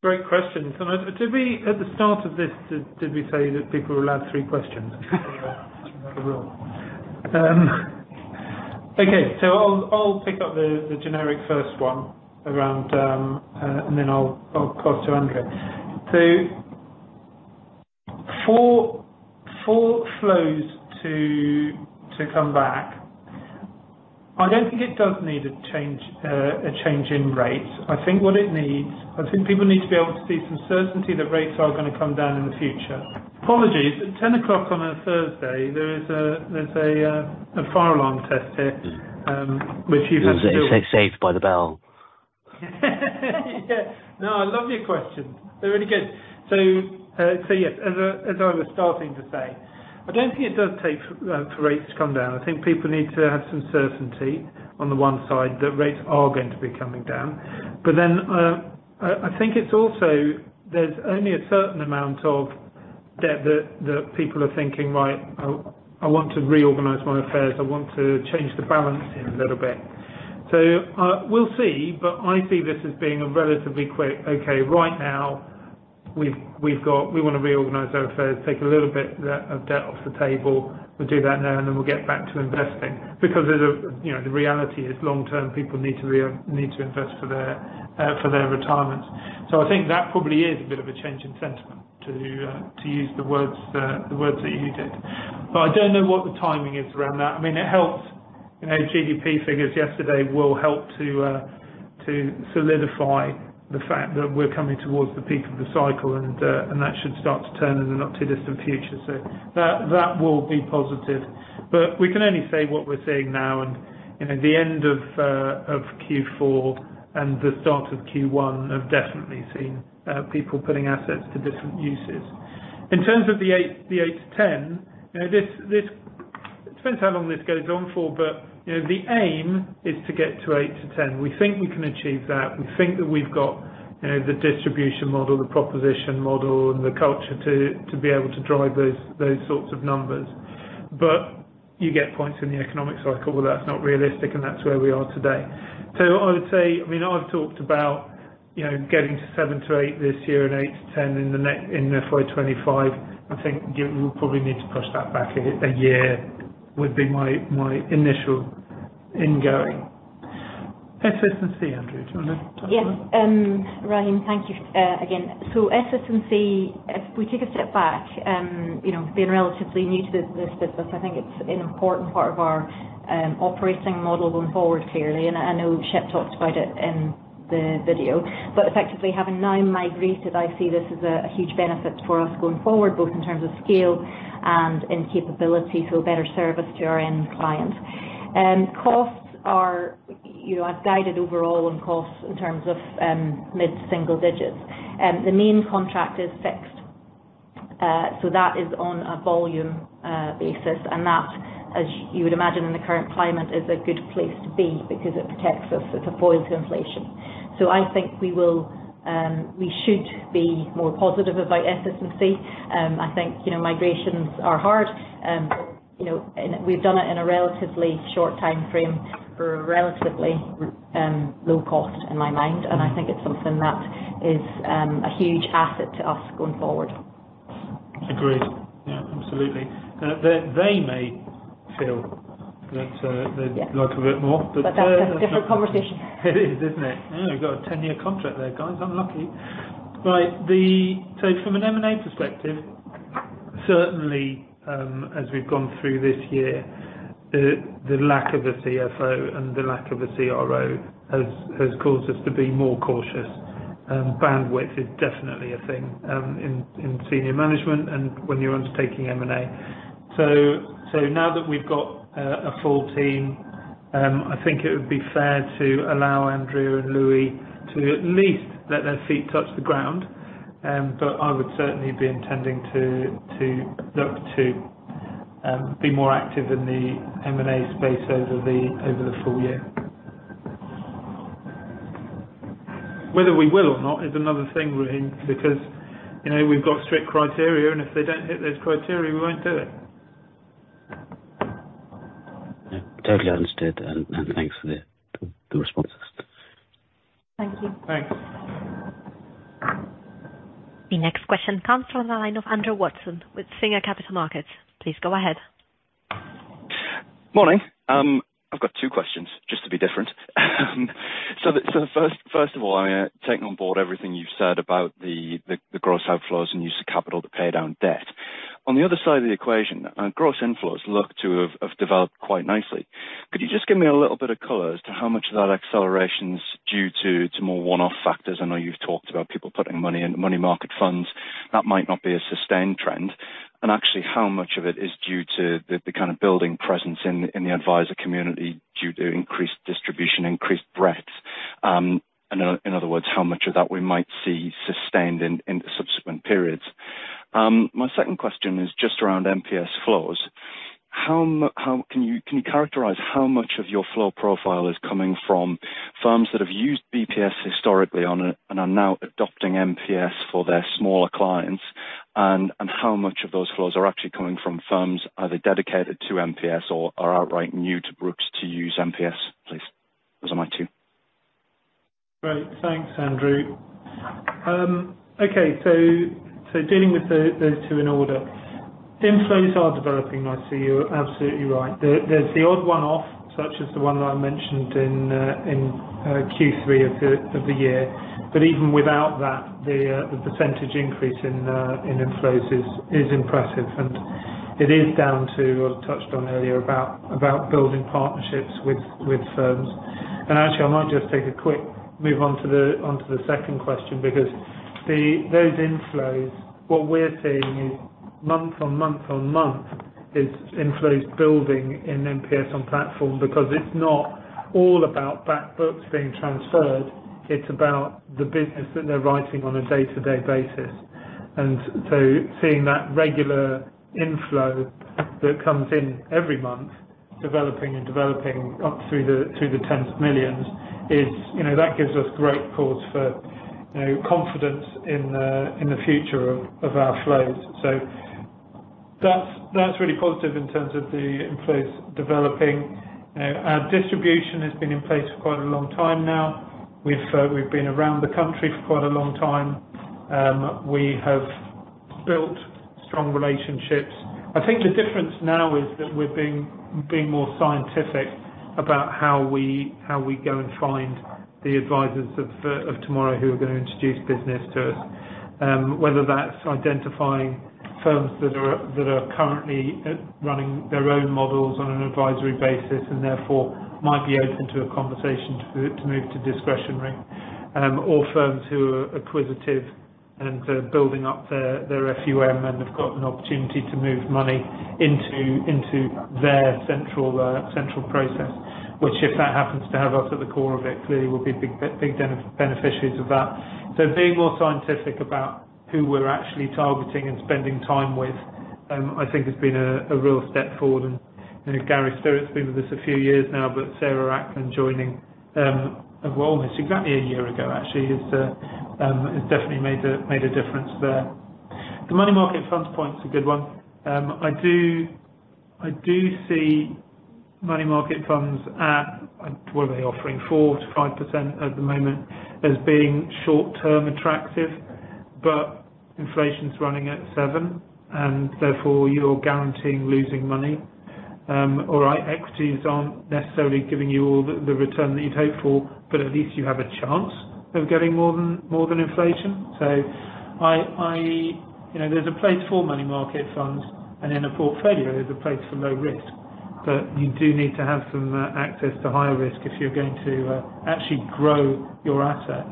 Great questions. Did we at the start of this say that people were allowed three questions? Okay, I'll pick up the generic first one around, and then I'll cross to Andrea. For flows to come back, I don't think it does need a change in rates. I think what it needs, I think people need to be able to see some certainty that rates are gonna come down in the future. Apologies, at 10:00 on a Thursday, there is a fire alarm test here, which you can still- Saved by the bell. Yeah. No, I love your question. They're really good. So, so yes, as I was starting to say, I don't think it does take for, for rates to come down. I think people need to have some certainty on the one side, that rates are going to be coming down. But then, I think it's also... there's only a certain amount of debt that people are thinking, "Right, I want to reorganize my affairs. I want to change the balance in a little bit." So, we'll see, but I see this as being a relatively quick, "Okay, right now, we've got - we want to reorganize our affairs, take a little bit of debt off the table. We'll do that now, and then we'll get back to investing." Because there's a, you know, the reality is long-term, people need to invest for their, for their retirement. So I think that probably is a bit of a change in sentiment to, to use the words, the words that you used it. But I don't know what the timing is around that. I mean, it helps, you know, GDP figures yesterday will help to, to solidify the fact that we're coming towards the peak of the cycle, and, and that should start to turn in the not-too-distant future. So that, that will be positive. But we can only say what we're seeing now, and, you know, the end of, of Q4 and the start of Q1 have definitely seen, people putting assets to different uses. In terms of the eight to 10, you know, this depends how long this goes on for, but, you know, the aim is to get to eight to 10. We think we can achieve that. We think that we've got, you know, the distribution model, the proposition model, and the culture to be able to drive those sorts of numbers. But you get points in the economic cycle, well, that's not realistic, and that's where we are today. So I would say, I mean, I've talked about, you know, getting to seven to eight this year and eight to 10 in the in FY 2025. I think we'll probably need to push that back a year, would be my initial ingoing. SS&C, Andrea, do you want to talk about? Yeah, Rahim, thank you, again. So SS&C, if we take a step back, you know, being relatively new to this, this business, I think it's an important part of our, operating model going forward, clearly. And I know Shep talked about it in the video. But effectively, having now migrated, I see this as a, a huge benefit for us going forward, both in terms of scale and in capability, so a better service to our end clients. Costs are, you know, I've guided overall on costs in terms of, mid-single digits. The main contract is fixed, so that is on a volume, basis. And that, as you would imagine in the current climate, is a good place to be because it protects us. It's a boil to inflation. So I think we will, we should be more positive about SS&C. I think, you know, migrations are hard, you know, and we've done it in a relatively short timeframe for a relatively low cost in my mind. And I think it's something that is a huge asset to us going forward. Agreed. Yeah, absolutely. They may feel that. They'd like a bit more. But that's a different conversation. It is, isn't it? Now, we've got a 10-year contract there, guys. Unlucky. Right. So from an M&A perspective. Certainly, as we've gone through this year, the lack of a CFO and the lack of a CRO has caused us to be more cautious. Bandwidth is definitely a thing in senior management and when you're undertaking M&A. So now that we've got a full team, I think it would be fair to allow Andrew and Louis to at least let their feet touch the ground. But I would certainly be intending to look to be more active in the M&A space over the full year. Whether we will or not is another thing, Rahim, because, you know, we've got strict criteria, and if they don't hit those criteria, we won't do it. Yeah. Totally understood, and thanks for the responses. Thank you. Thanks. The next question comes from the line of Andrew Watson with Singer Capital Markets. Please go ahead. Morning. I've got two questions, just to be different. So the first of all, taking on board everything you've said about the gross outflows and use of capital to pay down debt. On the other side of the equation, gross inflows look to have developed quite nicely. Could you just give me a little bit of color as to how much of that acceleration's due to more one-off factors? I know you've talked about people putting money into money market funds. That might not be a sustained trend. And actually, how much of it is due to the kind of building presence in the advisor community, due to increased distribution, increased breadth? In other words, how much of that we might see sustained in subsequent periods? My second question is just around MPS flows. How can you characterize how much of your flow profile is coming from firms that have used BPS historically and are now adopting MPS for their smaller clients? And how much of those flows are actually coming from firms, either dedicated to MPS or are outright new to Brooks to use MPS, please? Those are my two. Great. Thanks, Andrew. Okay. So dealing with those two in order. Inflows are developing nicely, you're absolutely right. There's the odd one-off, such as the one that I mentioned in Q3 of the year. But even without that, the percentage increase in inflows is impressive. And it is down to what I touched on earlier, about building partnerships with firms. And actually, I might just take a quick move on to the second question, because those inflows, what we're seeing is month on month on month, is inflows building in MPS on platform, because it's not all about back books being transferred, it's about the business that they're writing on a day-to-day basis. And so seeing that regular inflow that comes in every month, developing and developing up through the tens of millions, is, you know, that gives us great cause for, you know, confidence in the, in the future of, of our flows. So that's, that's really positive in terms of the inflows developing. You know, our distribution has been in place for quite a long time now. We've, we've been around the country for quite a long time. We have built strong relationships. I think the difference now is that we're being more scientific about how we go and find the advisers of tomorrow, who are gonna introduce business to us. Whether that's identifying firms that are currently running their own models on an advisory basis, and therefore might be open to a conversation to move to discretionary. Or firms who are acquisitive and are building up their FUM and have got an opportunity to move money into their central process. Which, if that happens to have us at the core of it, clearly we'll be big beneficiaries of that. So being more scientific about who we're actually targeting and spending time with, I think has been a real step forward. And Gary Stirrup's been with us a few years now, but Sarah Ackland joining, well, almost exactly a year ago, actually, has definitely made a difference there. The money market funds point is a good one. I do see money market funds at... What are they offering? 4%-5% at the moment, as being short-term attractive, but inflation's running at 7%, and therefore, you're guaranteeing losing money. All right, equities aren't necessarily giving you all the return that you'd hope for, but at least you have a chance of getting more than inflation. So I... You know, there's a place for money market funds, and in a portfolio, there's a place for low risk. But you do need to have some access to higher risk if you're going to actually grow your assets.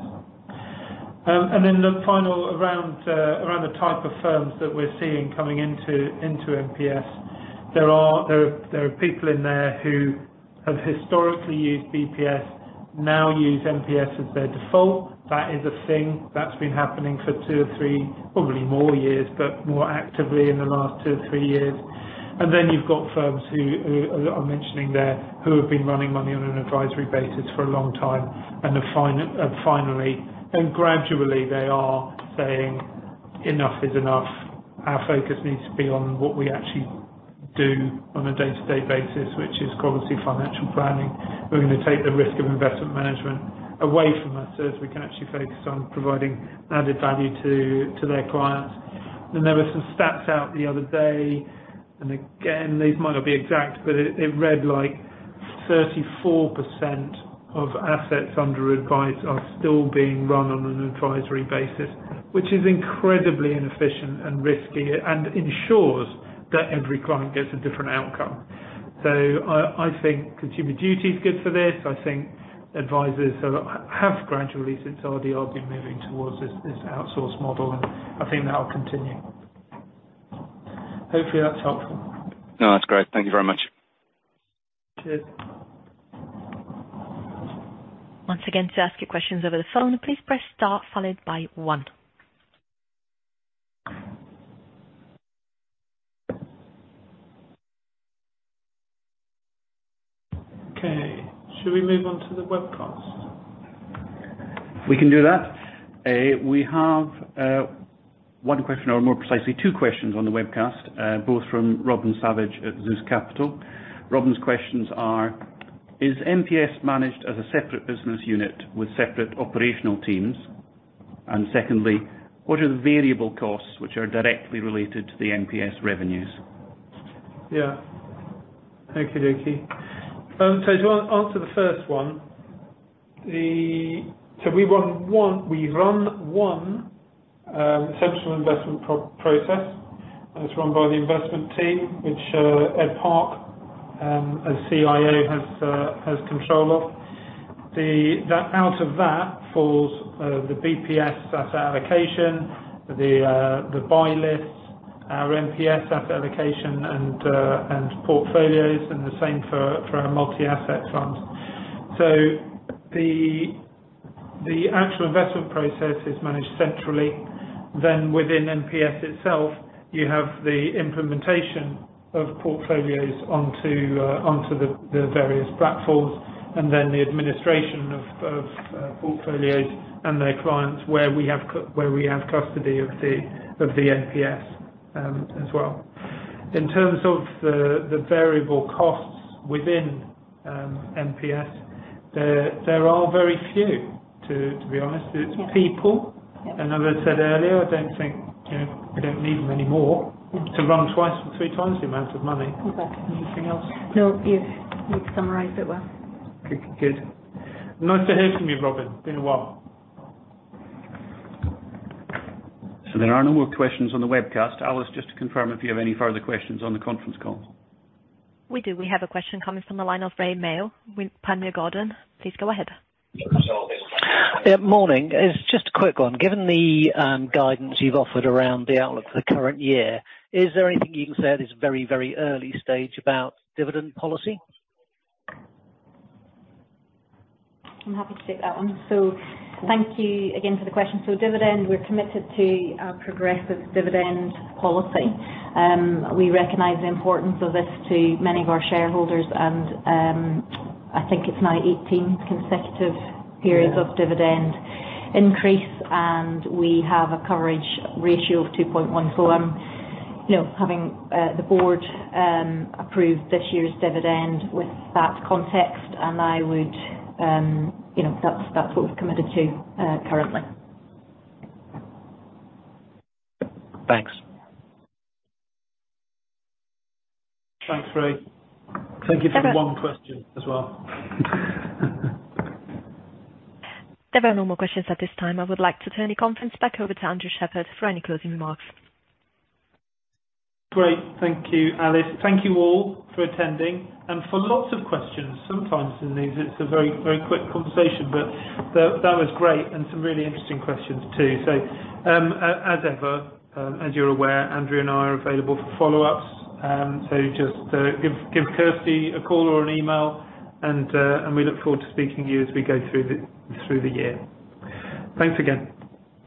And then the final, around the type of firms that we're seeing coming into MPS. There are people in there who have historically used BPS, now use MPS as their default. That is a thing that's been happening for two or three, probably more years, but more actively in the last two or three years. Then you've got firms who I'm mentioning there, who have been running money on an advisory basis for a long time, and are finally and gradually, they are saying, "Enough is enough. Our focus needs to be on what we actually do on a day-to-day basis, which is obviously financial planning. We're going to take the risk of investment management away from us, so as we can actually focus on providing added value to their clients." And there were some stats out the other day, and again, these might not be exact, but it read like 34% of assets under advice are still being run on an advisory basis, which is incredibly inefficient and risky and ensures that every client gets a different outcome. So I think Consumer Duty is good for this. I think advisors have gradually, since RDR, been moving toward this, this outsource model, and I think that will continue. Hopefully, that's helpful. No, that's great. Thank you very much. Cheers. Once again, to ask your questions over the phone, please press Star followed by one. Okay. Should we move on to the webcast? We can do that. We have one question or more precisely, two questions on the webcast, both from Robin Savage at Zeus Capital. Robin's questions are: Is MPS managed as a separate business unit with separate operational teams? And secondly, what are the variable costs which are directly related to the MPS revenues? Yeah. Okey dokey. So to answer the first one, the... So we run one, we run one, central investment process, and it's run by the investment team, which, Ed Park, as CIO, has, has control of. That out of that falls, the BPS asset allocation, the, the buy lists, our MPS asset allocation, and, and portfolios and the same for, for our multi-asset funds. So the actual investment process is managed centrally. Then within MPS itself, you have the implementation of portfolios onto, onto the, the various platforms, and then the administration of, of, portfolios and their clients, where we have, where we have custody of the, of the MPS, as well. In terms of the variable costs within, MPS, there are very few, to be honest. It's people. As I said earlier, I don't think, you know, we don't need them anymore to run twice or three times the amount of money. Okay. Anything else? No, you've, you've summarized it well. Good, good. Nice to hear from you, Robin. It's been a while. There are no more questions on the webcast. Alice, just to confirm if you have any further questions on the conference call. We do. We have a question coming from the line of Rae Maile with Panmure Gordon. Please go ahead. Yeah, morning. It's just a quick one. Given the guidance you've offered around the outlook for the current year, is there anything you can say at this very, very early stage about dividend policy? I'm happy to take that one. So thank you again for the question. So dividend, we're committed to a progressive dividend policy. We recognize the importance of this to many of our shareholders, and, I think it's now 18 consecutive periods of dividend increase, and we have a coverage ratio of 2.1. So, you know, having the board approve this year's dividend with that context, and I would, you know, that's, that's what we've committed to, currently. Thanks. Thanks, Ray. Thank you for the one question as well. There are no more questions at this time. I would like to turn the conference back over to Andrew Shepherd for any closing remarks. Great. Thank you, Alice. Thank you all for attending and for lots of questions. Sometimes in these, it's a very, very quick conversation, but that, that was great and some really interesting questions, too. So, as ever, as you're aware, Andrew and I are available for follow-ups. So just, give, give Kirsty a call or an email, and, and we look forward to speaking to you as we go through the, through the year. Thanks again.